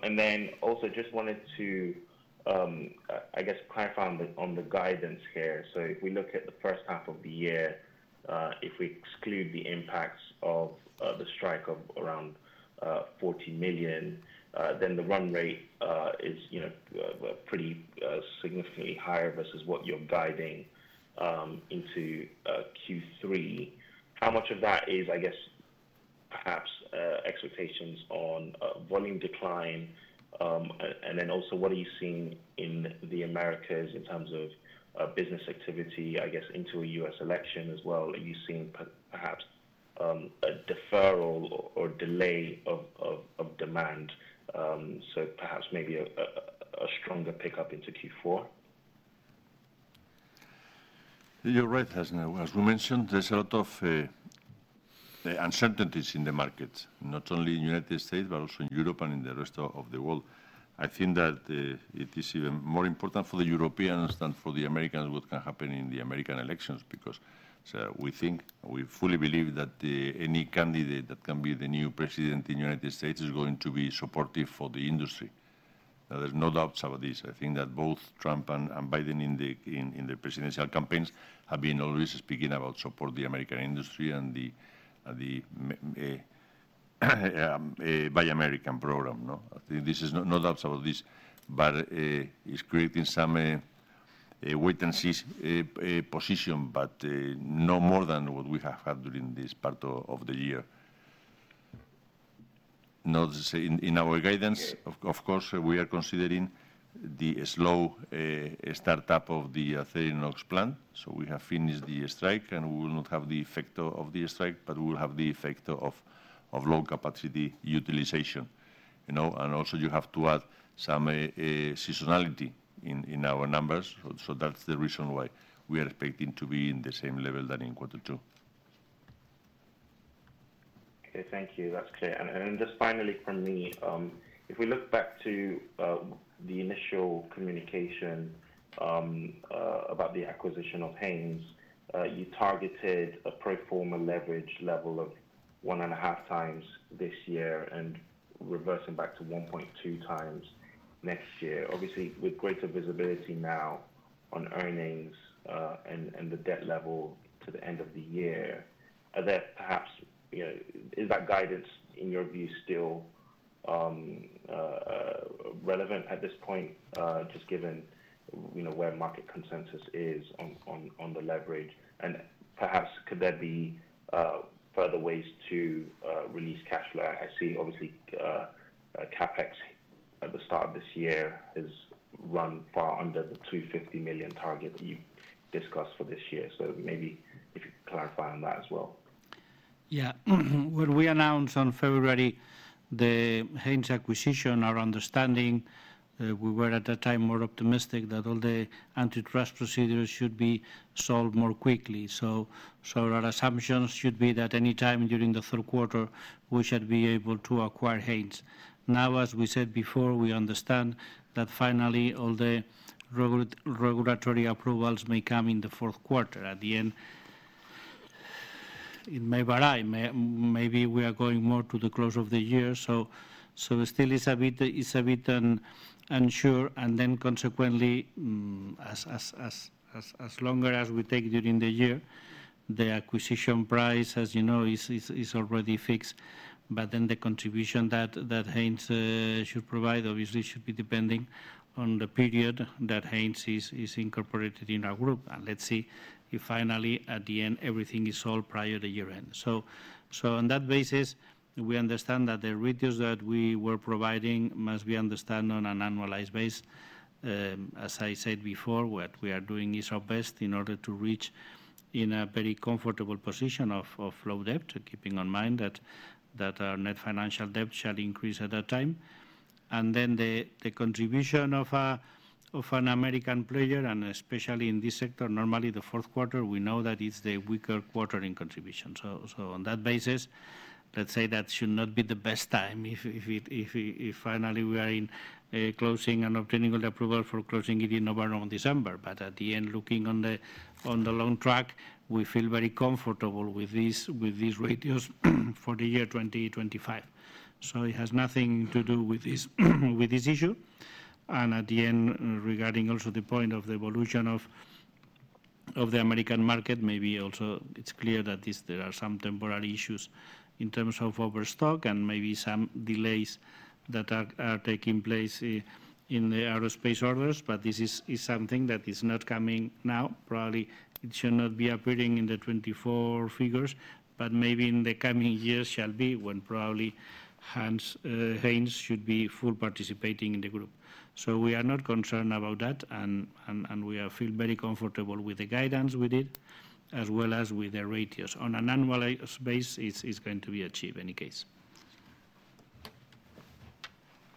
And then also, just wanted to, I guess, clarify on the guidance here. So if we look at the first half of the year, if we exclude the impacts of the strike of around 40 million, then the run rate is pretty significantly higher versus what you're guiding into Q3. How much of that is, I guess, perhaps expectations on volume decline? And then also, what are you seeing in the Americas in terms of business activity, I guess, into a U.S. election as well? Are you seeing perhaps a deferral or delay of demand? So perhaps maybe a stronger pickup into Q4? You're right, Moses As we mentioned, there's a lot of uncertainties in the markets, not only in the United States, but also in Europe and in the rest of the world. I think that it is even more important for the Europeans than for the Americans what can happen in the American elections because we think, we fully believe that any candidate that can be the new president in the United States is going to be supportive for the industry. There's no doubts about this. I think that both Trump and Biden in the presidential campaigns have been always speaking about supporting the American industry and the Buy American program. I think this is no doubts about this, but it's creating some wait-and-see position, but no more than what we have had during this part of the year. In our guidance, of course, we are considering the slow startup of the Acerinox plant. We have finished the strike, and we will not have the effect of the strike, but we will have the effect of low capacity utilization. Also, you have to add some seasonality in our numbers. That's the reason why we are expecting to be in the same level than in quarter two. Okay. Thank you. That's clear. And just finally from me, if we look back to the initial communication about the acquisition of Haynes, you targeted a pro forma leverage level of 1.5x this year and reversing back to 1.2x next year. Obviously, with greater visibility now on earnings and the debt level to the end of the year, are there perhaps is that guidance, in your view, still relevant at this point, just given where market consensus is on the leverage? And perhaps, could there be further ways to release cash flow? I see, obviously, CapEx at the start of this year has run far under the 250 million target that you discussed for this year. So maybe if you could clarify on that as well. Yeah. When we announced on February the Haynes acquisition, our understanding, we were at that time more optimistic that all the antitrust procedures should be solved more quickly. So our assumptions should be that anytime during the third quarter, we should be able to acquire Haynes. Now, as we said before, we understand that finally all the regulatory approvals may come in the fourth quarter at the end. It may vary. Maybe we are going more to the close of the year. So still, it's a bit unsure. And then consequently, as longer as we take during the year, the acquisition price, as you know, is already fixed. But then the contribution that Haynes should provide, obviously, should be depending on the period that Haynes is incorporated in our group. And let's see if finally, at the end, everything is sold prior to year-end. On that basis, we understand that the retails that we were providing must be understood on an annualized base. As I said before, what we are doing is our best in order to reach a very comfortable position of low debt, keeping in mind that our net financial debt shall increase at that time. The contribution of an American player, and especially in this sector, normally the fourth quarter, we know that it's the weaker quarter in contribution. On that basis, let's say that should not be the best time if finally we are closing and obtaining the approval for closing it in November or December. At the end, looking on the long track, we feel very comfortable with these retails for the year 2025. It has nothing to do with this issue. At the end, regarding also the point of the evolution of the American market, maybe also it's clear that there are some temporary issues in terms of overstock and maybe some delays that are taking place in the aerospace orders. But this is something that is not coming now. Probably it should not be appearing in the 2024 figures, but maybe in the coming years shall be when probably Haynes should be fully participating in the group. So we are not concerned about that, and we feel very comfortable with the guidance we did, as well as with the results. On an annualized basis, it's going to be achieved in any case.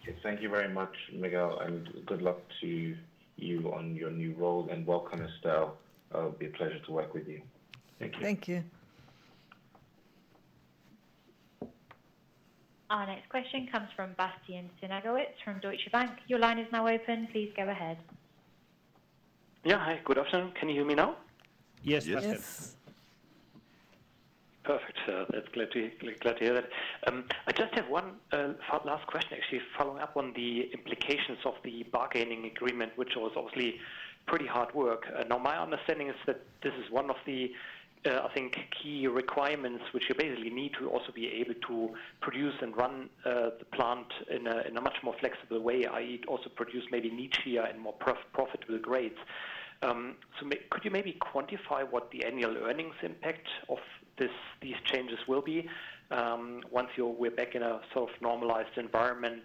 Okay. Thank you very much, Miguel. And good luck to you on your new role and welcome Esther. It'll be a pleasure to work with you. Thank you. Thank you. Our next question comes from Bastian Synagowitz from Deutsche Bank. Your line is now open. Please go ahead. Yeah. Hi. Good afternoon. Can you hear me now? Yes, yes, Yes. Perfect. That's great to hear that. I just have one last question, actually, following up on the implications of the bargaining agreement, which was obviously pretty hard work. Now, my understanding is that this is one of the, I think, key requirements which you basically need to also be able to produce and run the plant in a much more flexible way, i.e., also produce maybe niche here and more profitable grades. So could you maybe quantify what the annual earnings impact of these changes will be once we're back in a sort of normalized environment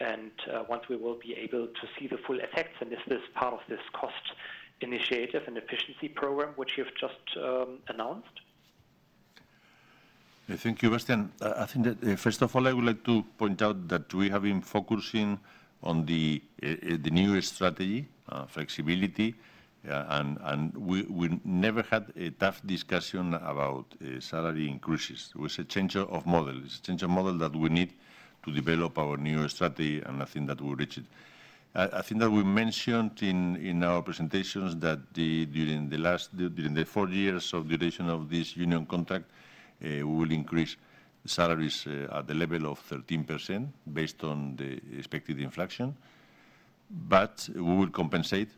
and once we will be able to see the full effects? And is this part of this cost initiative and efficiency program which you've just announced? Thank you, Bastian. I think that first of all, I would like to point out that we have been focusing on the new strategy, flexibility, and we never had a tough discussion about salary increases. It was a change of model. It's a change of model that we need to develop our new strategy, and I think that we reached it. I think that we mentioned in our presentations that during the four years of duration of this union contract, we will increase salaries at the level of 13% based on the expected inflation. But we will compensate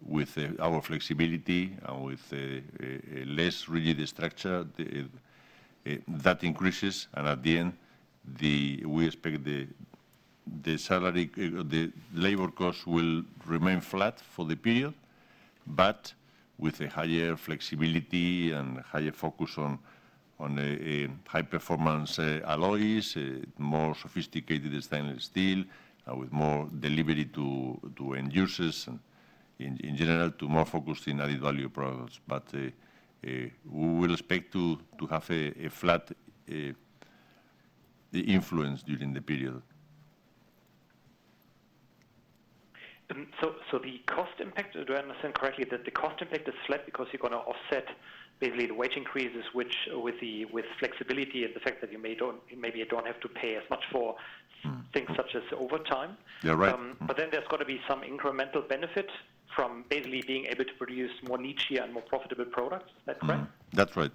with our flexibility and with a less rigid structure that increases. At the end, we expect the labor costs will remain flat for the period, but with a higher flexibility and higher focus on high-performance alloys, more sophisticated stainless steel, with more delivery to end users, and in general, to more focus in added value products. We will expect to have a flat influence during the period. So the cost impact, do I understand correctly that the cost impact is flat because you're going to offset basically the wage increases, which with flexibility and the fact that you maybe don't have to pay as much for things such as overtime? You're right. But then there's got to be some incremental benefit from basically being able to produce more niche here and more profitable products. Is that correct? That's right.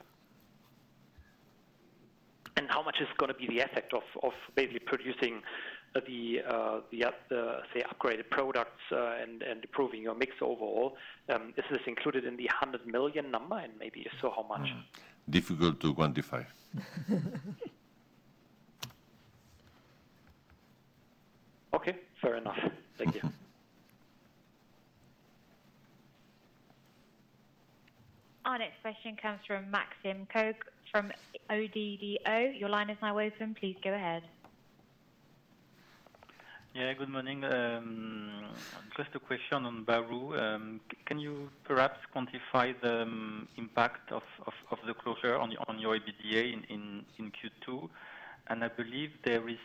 How much is going to be the effect of basically producing the upgraded products and improving your mix overall? Is this included in the 100 million number? Maybe if so, how much? Difficult to quantify. Okay. Fair enough. Thank you. Our next question comes from Maxime Kogge from ODDO. Your line is now open. Please go ahead. Yeah. Good morning. Just a question on Bahru. Can you perhaps quantify the impact of the closure on your EBITDA in Q2? And I believe there is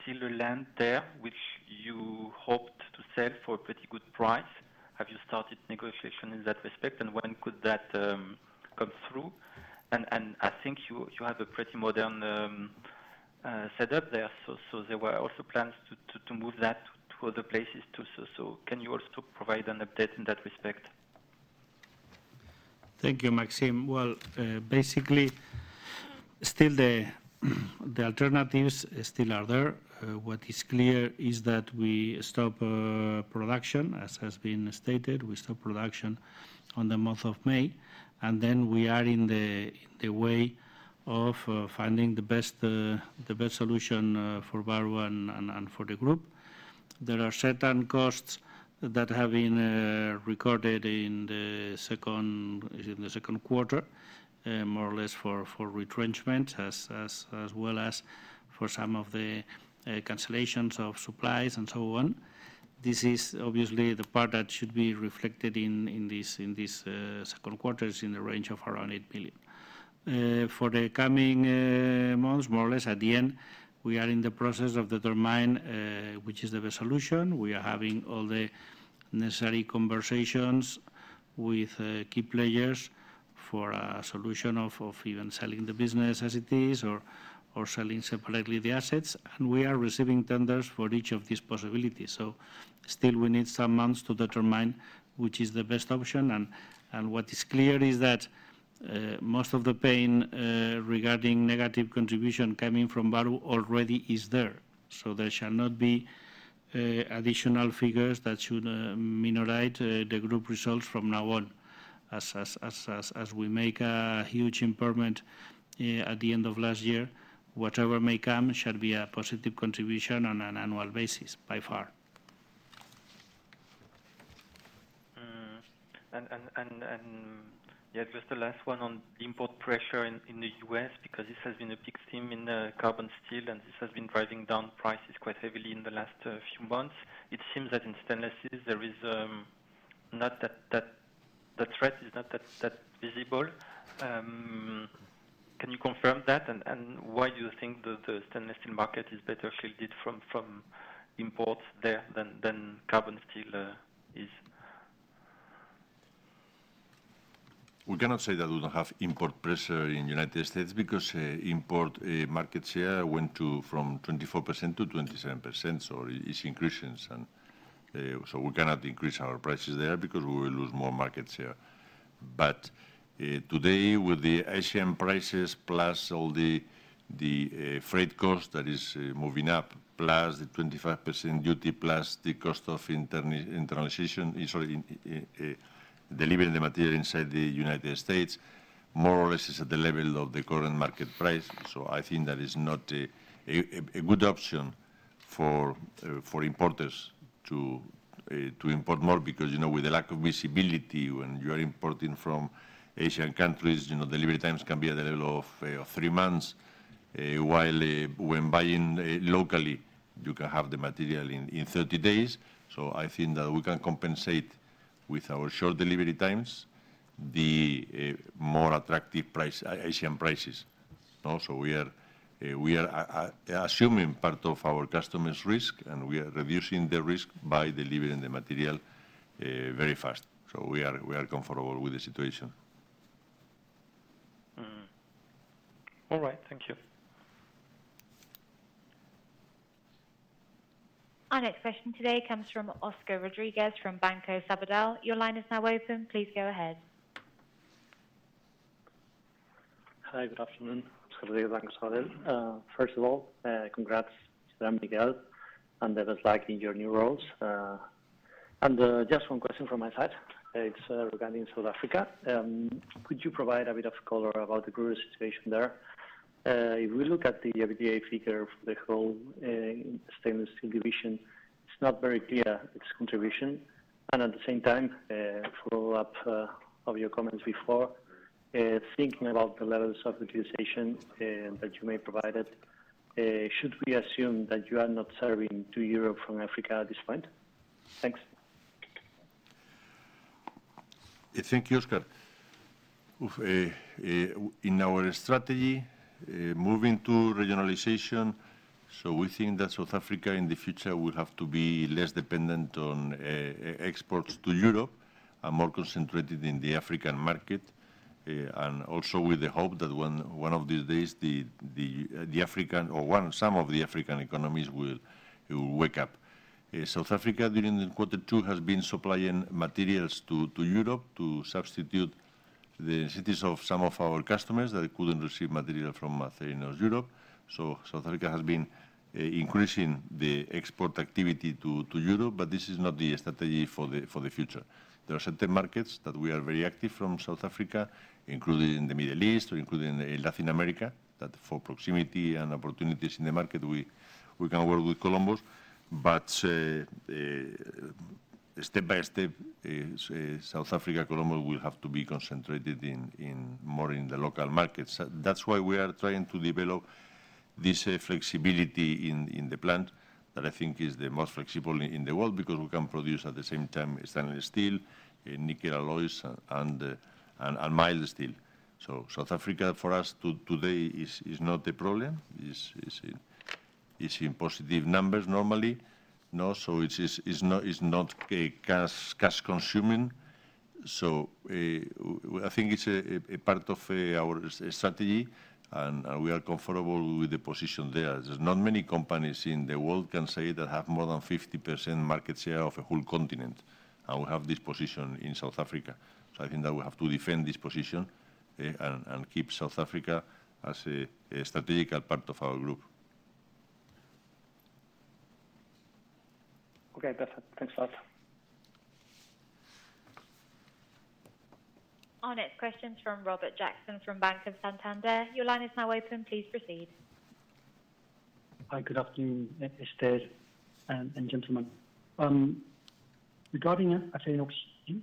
still a land there which you hoped to sell for a pretty good price. Have you started negotiation in that respect? And when could that come through? And I think you have a pretty modern setup there. So there were also plans to move that to other places too. So can you also provide an update in that respect? Thank you, Maxime. Well, basically, still the alternatives still are there. What is clear is that we stop production, as has been stated. We stop production on the month of May. And then we are in the way of finding the best solution for Bahru and for the group. There are certain costs that have been recorded in the second quarter, more or less for retrenchment, as well as for some of the cancellations of supplies and so on. This is obviously the part that should be reflected in this second quarter is in the range of around 8 million. For the coming months, more or less at the end, we are in the process of determining which is the best solution. We are having all the necessary conversations with key players for a solution of even selling the business as it is or selling separately the assets. We are receiving tenders for each of these possibilities. Still, we need some months to determine which is the best option. What is clear is that most of the pain regarding negative contribution coming from Bahru already is there. There shall not be additional figures that should minimize the group results from now on. As we made a huge improvement at the end of last year, whatever may come shall be a positive contribution on an annual basis by far. And just the last one on import pressure in the U.S., because this has been a big theme in carbon steel, and this has been driving down prices quite heavily in the last few months. It seems that in stainless steel, that threat is not that visible. Can you confirm that? And why do you think the stainless steel market is better shielded from imports there than carbon steel is? We cannot say that we don't have import pressure in the United States because import market share went from 24% to 27%. So it's increasing. So we cannot increase our prices there because we will lose more market share. But today, with the Asian prices plus all the freight costs that is moving up, plus the 25% duty, plus the cost of internalization, sorry, delivering the material inside the United States, more or less is at the level of the current market price. So I think that is not a good option for importers to import more because with the lack of visibility when you are importing from Asian countries, delivery times can be at the level of three months, while when buying locally, you can have the material in 30 days. So I think that we can compensate with our short delivery times the more attractive Asian prices. We are assuming part of our customers' risk, and we are reducing the risk by delivering the material very fast. We are comfortable with the situation. All right. Thank you. Our next question today comes from Oscar Rodríguez from Banco Sabadell. Your line is now open. Please go ahead. Hi. Good afternoon. Oscar Rodríguez from Banco Sabadell. First of all, congrats to Miguel, and that was like in your new roles. Just one question from my side. It's regarding South Africa. Could you provide a bit of color about the current situation there? If we look at the EBITDA figure for the whole stainless steel division, it's not very clear its contribution. At the same time, follow-up of your comments before, thinking about the levels of utilization that you may provide, should we assume that you are not serving to Europe from Africa at this point? Thanks. Thank you, Oscar. In our strategy, moving to regionalization, so we think that South Africa in the future will have to be less dependent on exports to Europe and more concentrated in the African market, and also with the hope that one of these days, the African or some of the African economies will wake up. South Africa, during quarter two, has been supplying materials to Europe to substitute the supplies of some of our customers that couldn't receive material from other areas of Europe. So South Africa has been increasing the export activity to Europe, but this is not the strategy for the future. There are certain markets that we are very active from South Africa, including the Middle East or including Latin America, that for proximity and opportunities in the market, we can work with Columbus. Step by step, South Africa, Columbus will have to be concentrated more in the local markets. That's why we are trying to develop this flexibility in the plant that I think is the most flexible in the world because we can produce at the same time stainless steel, nickel alloys, and mild steel. So South Africa, for us today, is not a problem. It's in positive numbers normally. So it's not cash-consuming. So I think it's a part of our strategy, and we are comfortable with the position there. There's not many companies in the world, can say, that have more than 50% market share of a whole continent. And we have this position in South Africa. So I think that we have to defend this position and keep South Africa as a strategic part of our group. Okay. Perfect. Thanks a lot. Our next question is from Robert Jackson from Banco Santander. Your line is now open. Please proceed. Hi. Good afternoon, Esther and gentlemen. Regarding Acerinox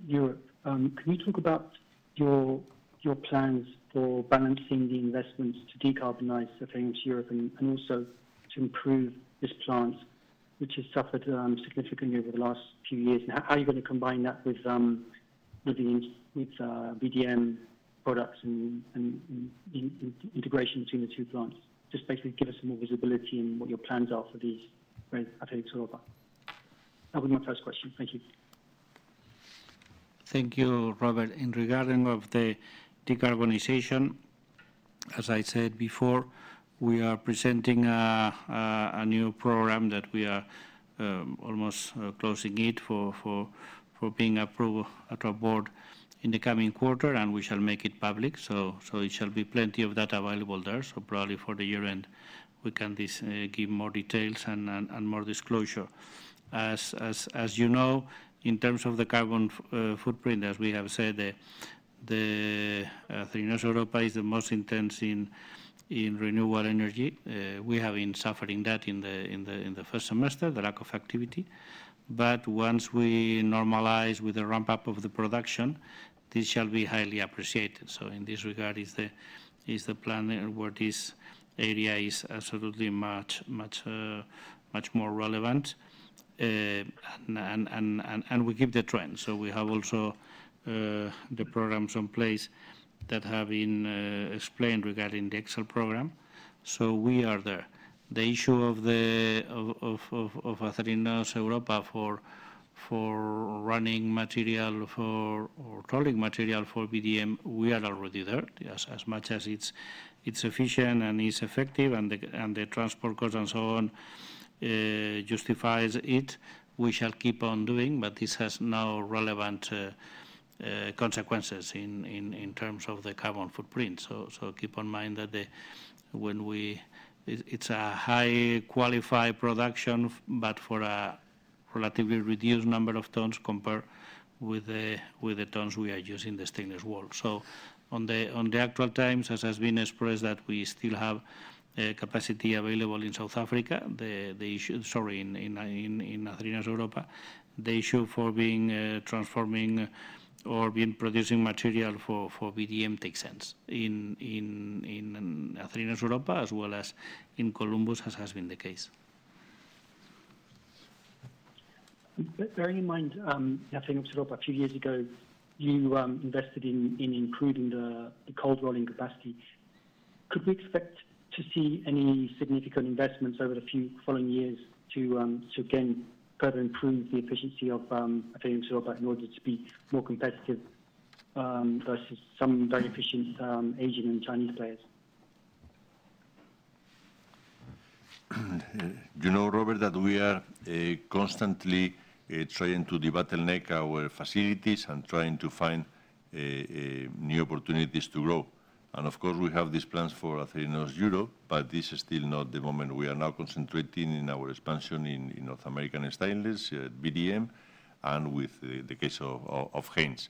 Europa, can you talk about your plans for balancing the investments to decarbonize Acerinox Europa and also to improve this plant, which has suffered significantly over the last few years? And how are you going to combine that with VDM products and integration between the two plants? Just basically give us some more visibility in what your plans are for these Acerinox Europa. That was my first question. Thank you. Thank you, Robert. Regarding the decarbonization, as I said before, we are presenting a new program that we are almost closing it for being approved at our board in the coming quarter, and we shall make it public. So it shall be plenty of data available there. So probably for the year end, we can give more details and more disclosure. As you know, in terms of the carbon footprint, as we have said, Acerinox Europa is the most intense in renewable energy. We have been suffering that in the first semester, the lack of activity. But once we normalize with the ramp-up of the production, this shall be highly appreciated. So in this regard, it's the plan where this area is absolutely much more relevant, and we keep the trend. So we have also the programs in place that have been explained regarding the Excellence program. So we are there. The issue of Acerinox Europa for running material or tolling material for VDM, we are already there. As much as it's efficient and it's effective, and the transport costs and so on justifies it, we shall keep on doing. But this has no relevant consequences in terms of the carbon footprint. So keep in mind that when we it's a high-quality production, but for a relatively reduced number of tons compared with the tons we are using the stainless steel. So on the actual terms, as has been expressed, that we still have capacity available in South Africa, sorry, in Acerinox Europa, the issue for being transforming or being producing material for VDM makes sense in Acerinox Europa, as well as in Columbus, as has been the case. Bearing in mind, Acerinox Europa, a few years ago, you invested in improving the cold rolling capacity. Could we expect to see any significant investments over the following years to again further improve the efficiency of Acerinox Europa in order to be more competitive versus some very efficient Asian and Chinese players? You know, Robert, that we are constantly trying to de-bottleneck our facilities and trying to find new opportunities to grow. And of course, we have these plans for Acerinox Europa, but this is still not the moment. We are now concentrating in our expansion in North American Stainless, VDM, and with the case of Haynes.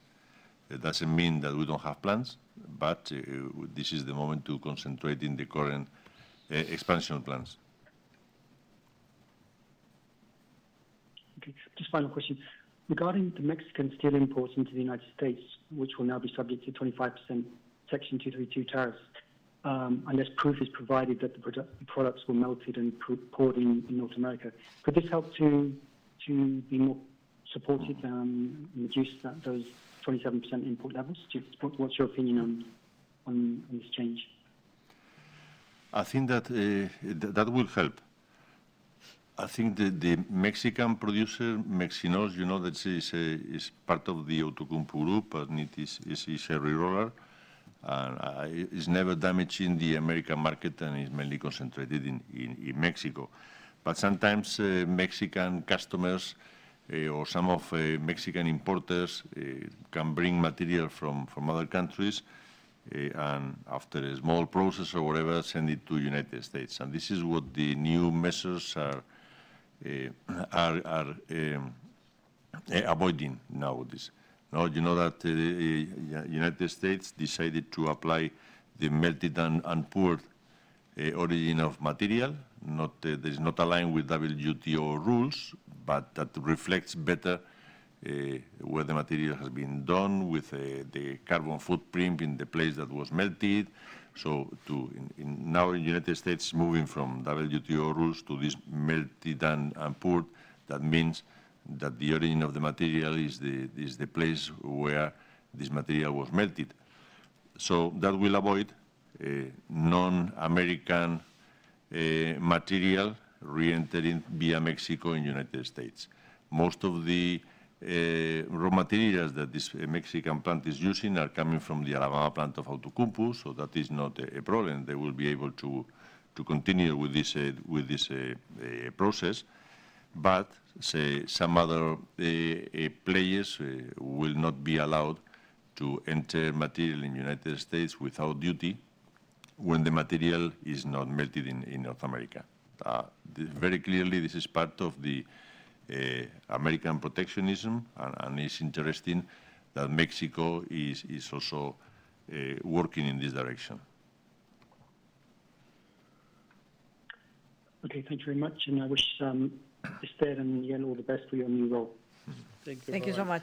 It doesn't mean that we don't have plans, but this is the moment to concentrate in the current expansion plans. Okay. Just final question. Regarding the Mexican steel imports into the United States, which will now be subject to 25% Section 232 tariffs, unless proof is provided that the products were melted and poured in North America, could this help to be more supportive and reduce those 27% import levels? What's your opinion on this change? I think that that will help. I think the Mexican producer, Mexinox you know, that is part of the Outokumpu Group, and it is a reroller. It's never damaging the American market, and it's mainly concentrated in Mexico. Sometimes Mexican customers or some of Mexican importers can bring material from other countries, and after a small process or whatever, send it to the United States. This is what the new measures are avoiding now with this. You know that the United States decided to apply the melted and poured origin of material. There's not aligned with WTO rules, but that reflects better where the material has been done with the carbon footprint in the place that was melted. So now, the United States is moving from WTO rules to this melted and poured. That means that the origin of the material is the place where this material was melted. So that will avoid non-American material re-entering via Mexico in the United States. Most of the raw materials that this Mexican plant is using are coming from the Alabama plant of Outokumpu, so that is not a problem. They will be able to continue with this process. But some other players will not be allowed to enter material in the United States without duty when the material is not melted in North America. Very clearly, this is part of the American protectionism, and it's interesting that Mexico is also working in this direction. Okay. Thank you very much. I wish Esther and Miguel all the best with your new role. Thank you. Thank you so much.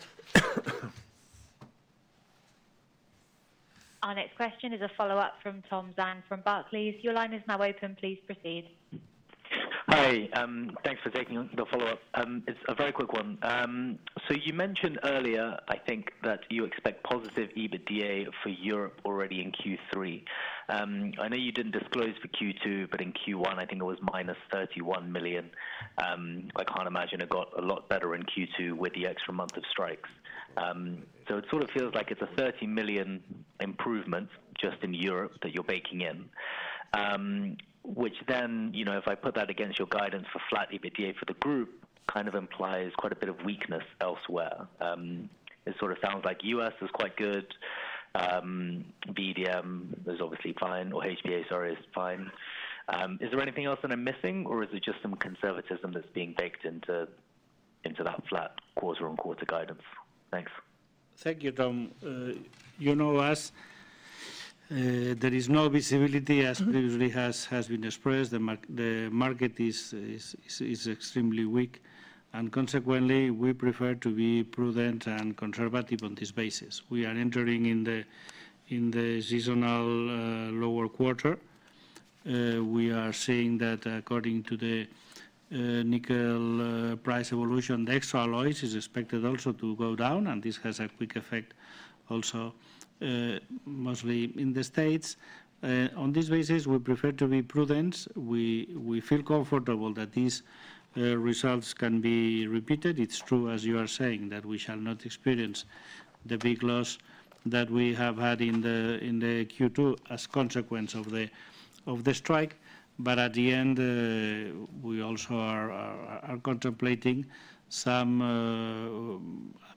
Our next question is a follow-up from Tom Zhang from Barclays. Your line is now open. Please proceed. Hi. Thanks for taking the follow-up. It's a very quick one. So you mentioned earlier, I think, that you expect positive EBITDA for Europe already in Q3. I know you didn't disclose for Q2, but in Q1, I think it was -31 million. I can't imagine it got a lot better in Q2 with the extra month of strikes. So it sort of feels like it's a 30 million improvement just in Europe that you're baking in, which then, if I put that against your guidance for flat EBITDA for the group, kind of implies quite a bit of weakness elsewhere. It sort of sounds like U.S. is quite good. VDM is obviously fine, or HPA, sorry, is fine. Is there anything else that I'm missing, or is it just some conservatism that's being baked into that flat quarter-on-quarter guidance? Thanks. Thank you, Tom. You know us. There is no visibility, as previously has been expressed. The market is extremely weak. And consequently, we prefer to be prudent and conservative on this basis. We are entering in the seasonal lower quarter. We are seeing that, according to the nickel price evolution, the extra alloys is expected also to go down, and this has a quick effect also mostly in the States. On this basis, we prefer to be prudent. We feel comfortable that these results can be repeated. It's true, as you are saying, that we shall not experience the big loss that we have had in the Q2 as a consequence of the strike. But at the end, we also are contemplating a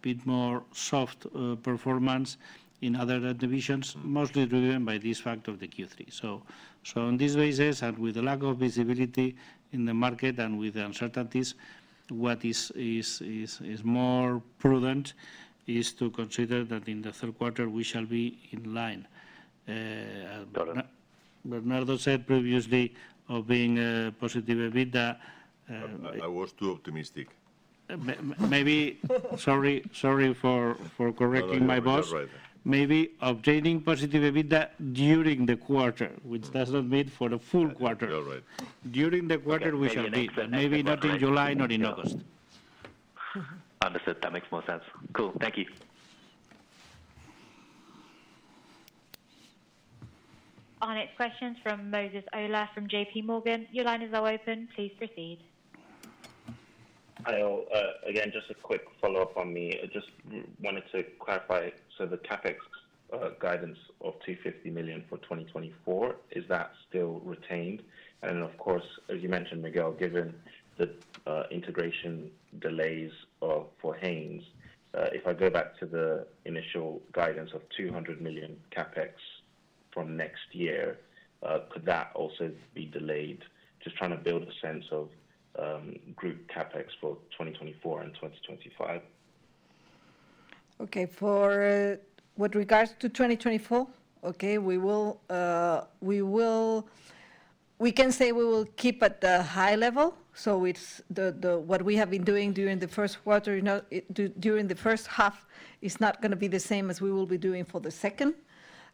bit more soft performance in other divisions, mostly driven by this fact of the Q3. On this basis, and with the lack of visibility in the market and with the uncertainties, what is more prudent is to consider that in the third quarter, we shall be in line. Got it. Bernardo said previously of being positive EBITDA. I was too optimistic. Maybe, sorry for correcting my boss. Maybe obtaining positive EBITDA during the quarter, which does not mean for the full quarter. You're right. During the quarter, we shall be. Maybe not in July nor in August. Understood. That makes more sense. Cool. Thank you. Our next question is from Moses Ola from JPMorgan. Your line is now open. Please proceed. Hi, all. Again, just a quick follow-up on me. I just wanted to clarify. So the CapEx guidance of 250 million for 2024, is that still retained? And of course, as you mentioned, Miguel, given the integration delays for Haynes, if I go back to the initial guidance of 200 million CapEx from next year, could that also be delayed? Just trying to build a sense of group CapEx for 2024 and 2025. Okay. For what regards to 2024, okay, we can say we will keep at the high level. So what we have been doing during the first quarter, during the first half, is not going to be the same as we will be doing for the second.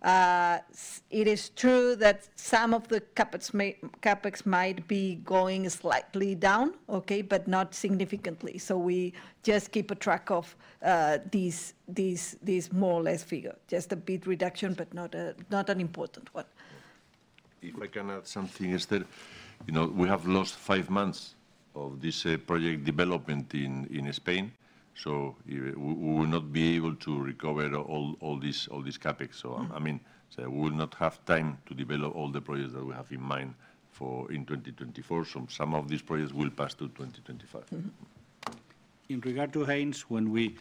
It is true that some of the CapEx might be going slightly down, okay, but not significantly. So we just keep a track of this more or less figure. Just a bit reduction, but not an important one. If I can add something, Esther, we have lost five months of this project development in Spain. So we will not be able to recover all this CapEx. So I mean, we will not have time to develop all the projects that we have in mind for in 2024. So some of these projects will pass to 2025. In regard to Haynes, when we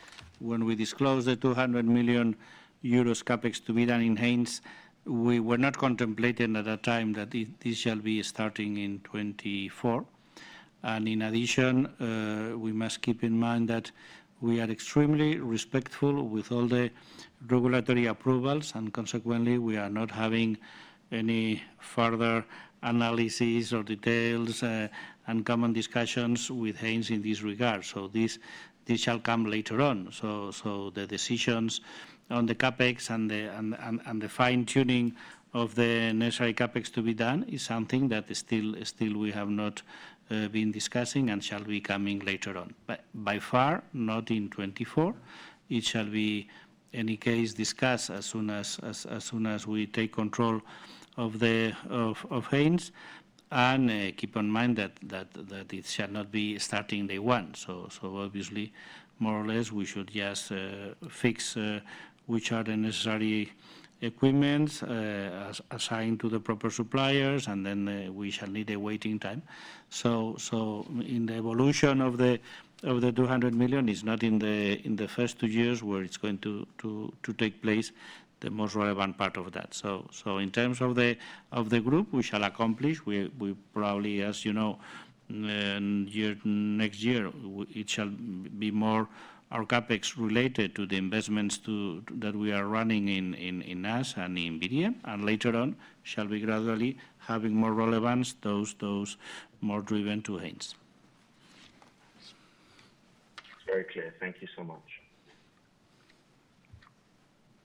disclosed the 200 million euros CapEx to be done in Haynes, we were not contemplating at that time that this shall be starting in 2024. In addition, we must keep in mind that we are extremely respectful with all the regulatory approvals, and consequently, we are not having any further analysis or details and common discussions with Haynes in this regard. This shall come later on. The decisions on the CapEx and the fine-tuning of the necessary CapEx to be done is something that still we have not been discussing and shall be coming later on. By far, not in 2024. It shall be any case discussed as soon as we take control of Haynes. Keep in mind that it shall not be starting day one. So obviously, more or less, we should just fix which are the necessary equipment assigned to the proper suppliers, and then we shall need a waiting time. So in the evolution of the 200 million, it's not in the first two years where it's going to take place the most relevant part of that. So in terms of the group, we shall accomplish. We probably, as you know, next year, it shall be more our CapEx related to the investments that we are running in the U.S. and in VDM. And later on, shall be gradually having more relevance, those more driven to Haynes. Very clear. Thank you so much.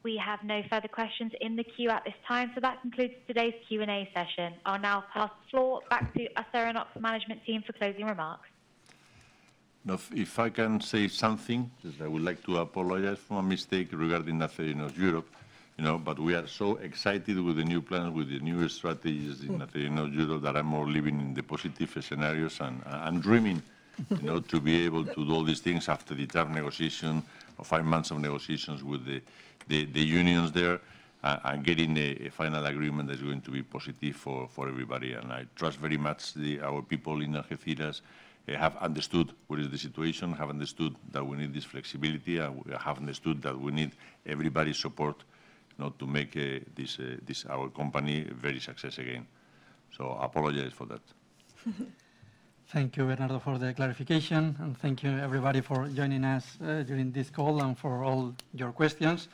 We have no further questions in the queue at this time. So that concludes today's Q&A session. I'll now pass the floor back to the Acerinox Management Team for closing remarks. If I can say something, I would like to apologize for my mistake regarding Acerinox Europa. But we are so excited with the new plan, with the new strategies in Acerinox Europa that I'm more living in the positive scenarios and dreaming to be able to do all these things after the term negotiation or five months of negotiations with the unions there and getting a final agreement that's going to be positive for everybody. And I trust very much our people in Algeciras have understood what is the situation, have understood that we need this flexibility, and have understood that we need everybody's support to make our company a very success again. So I apologize for that. Thank you, Bernardo, for the clarification. Thank you, everybody, for joining us during this call and for all your questions.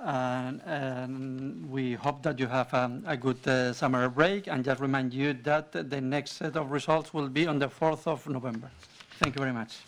We hope that you have a good summer break. Just remind you that the next set of results will be on the 4th of November. Thank you very much.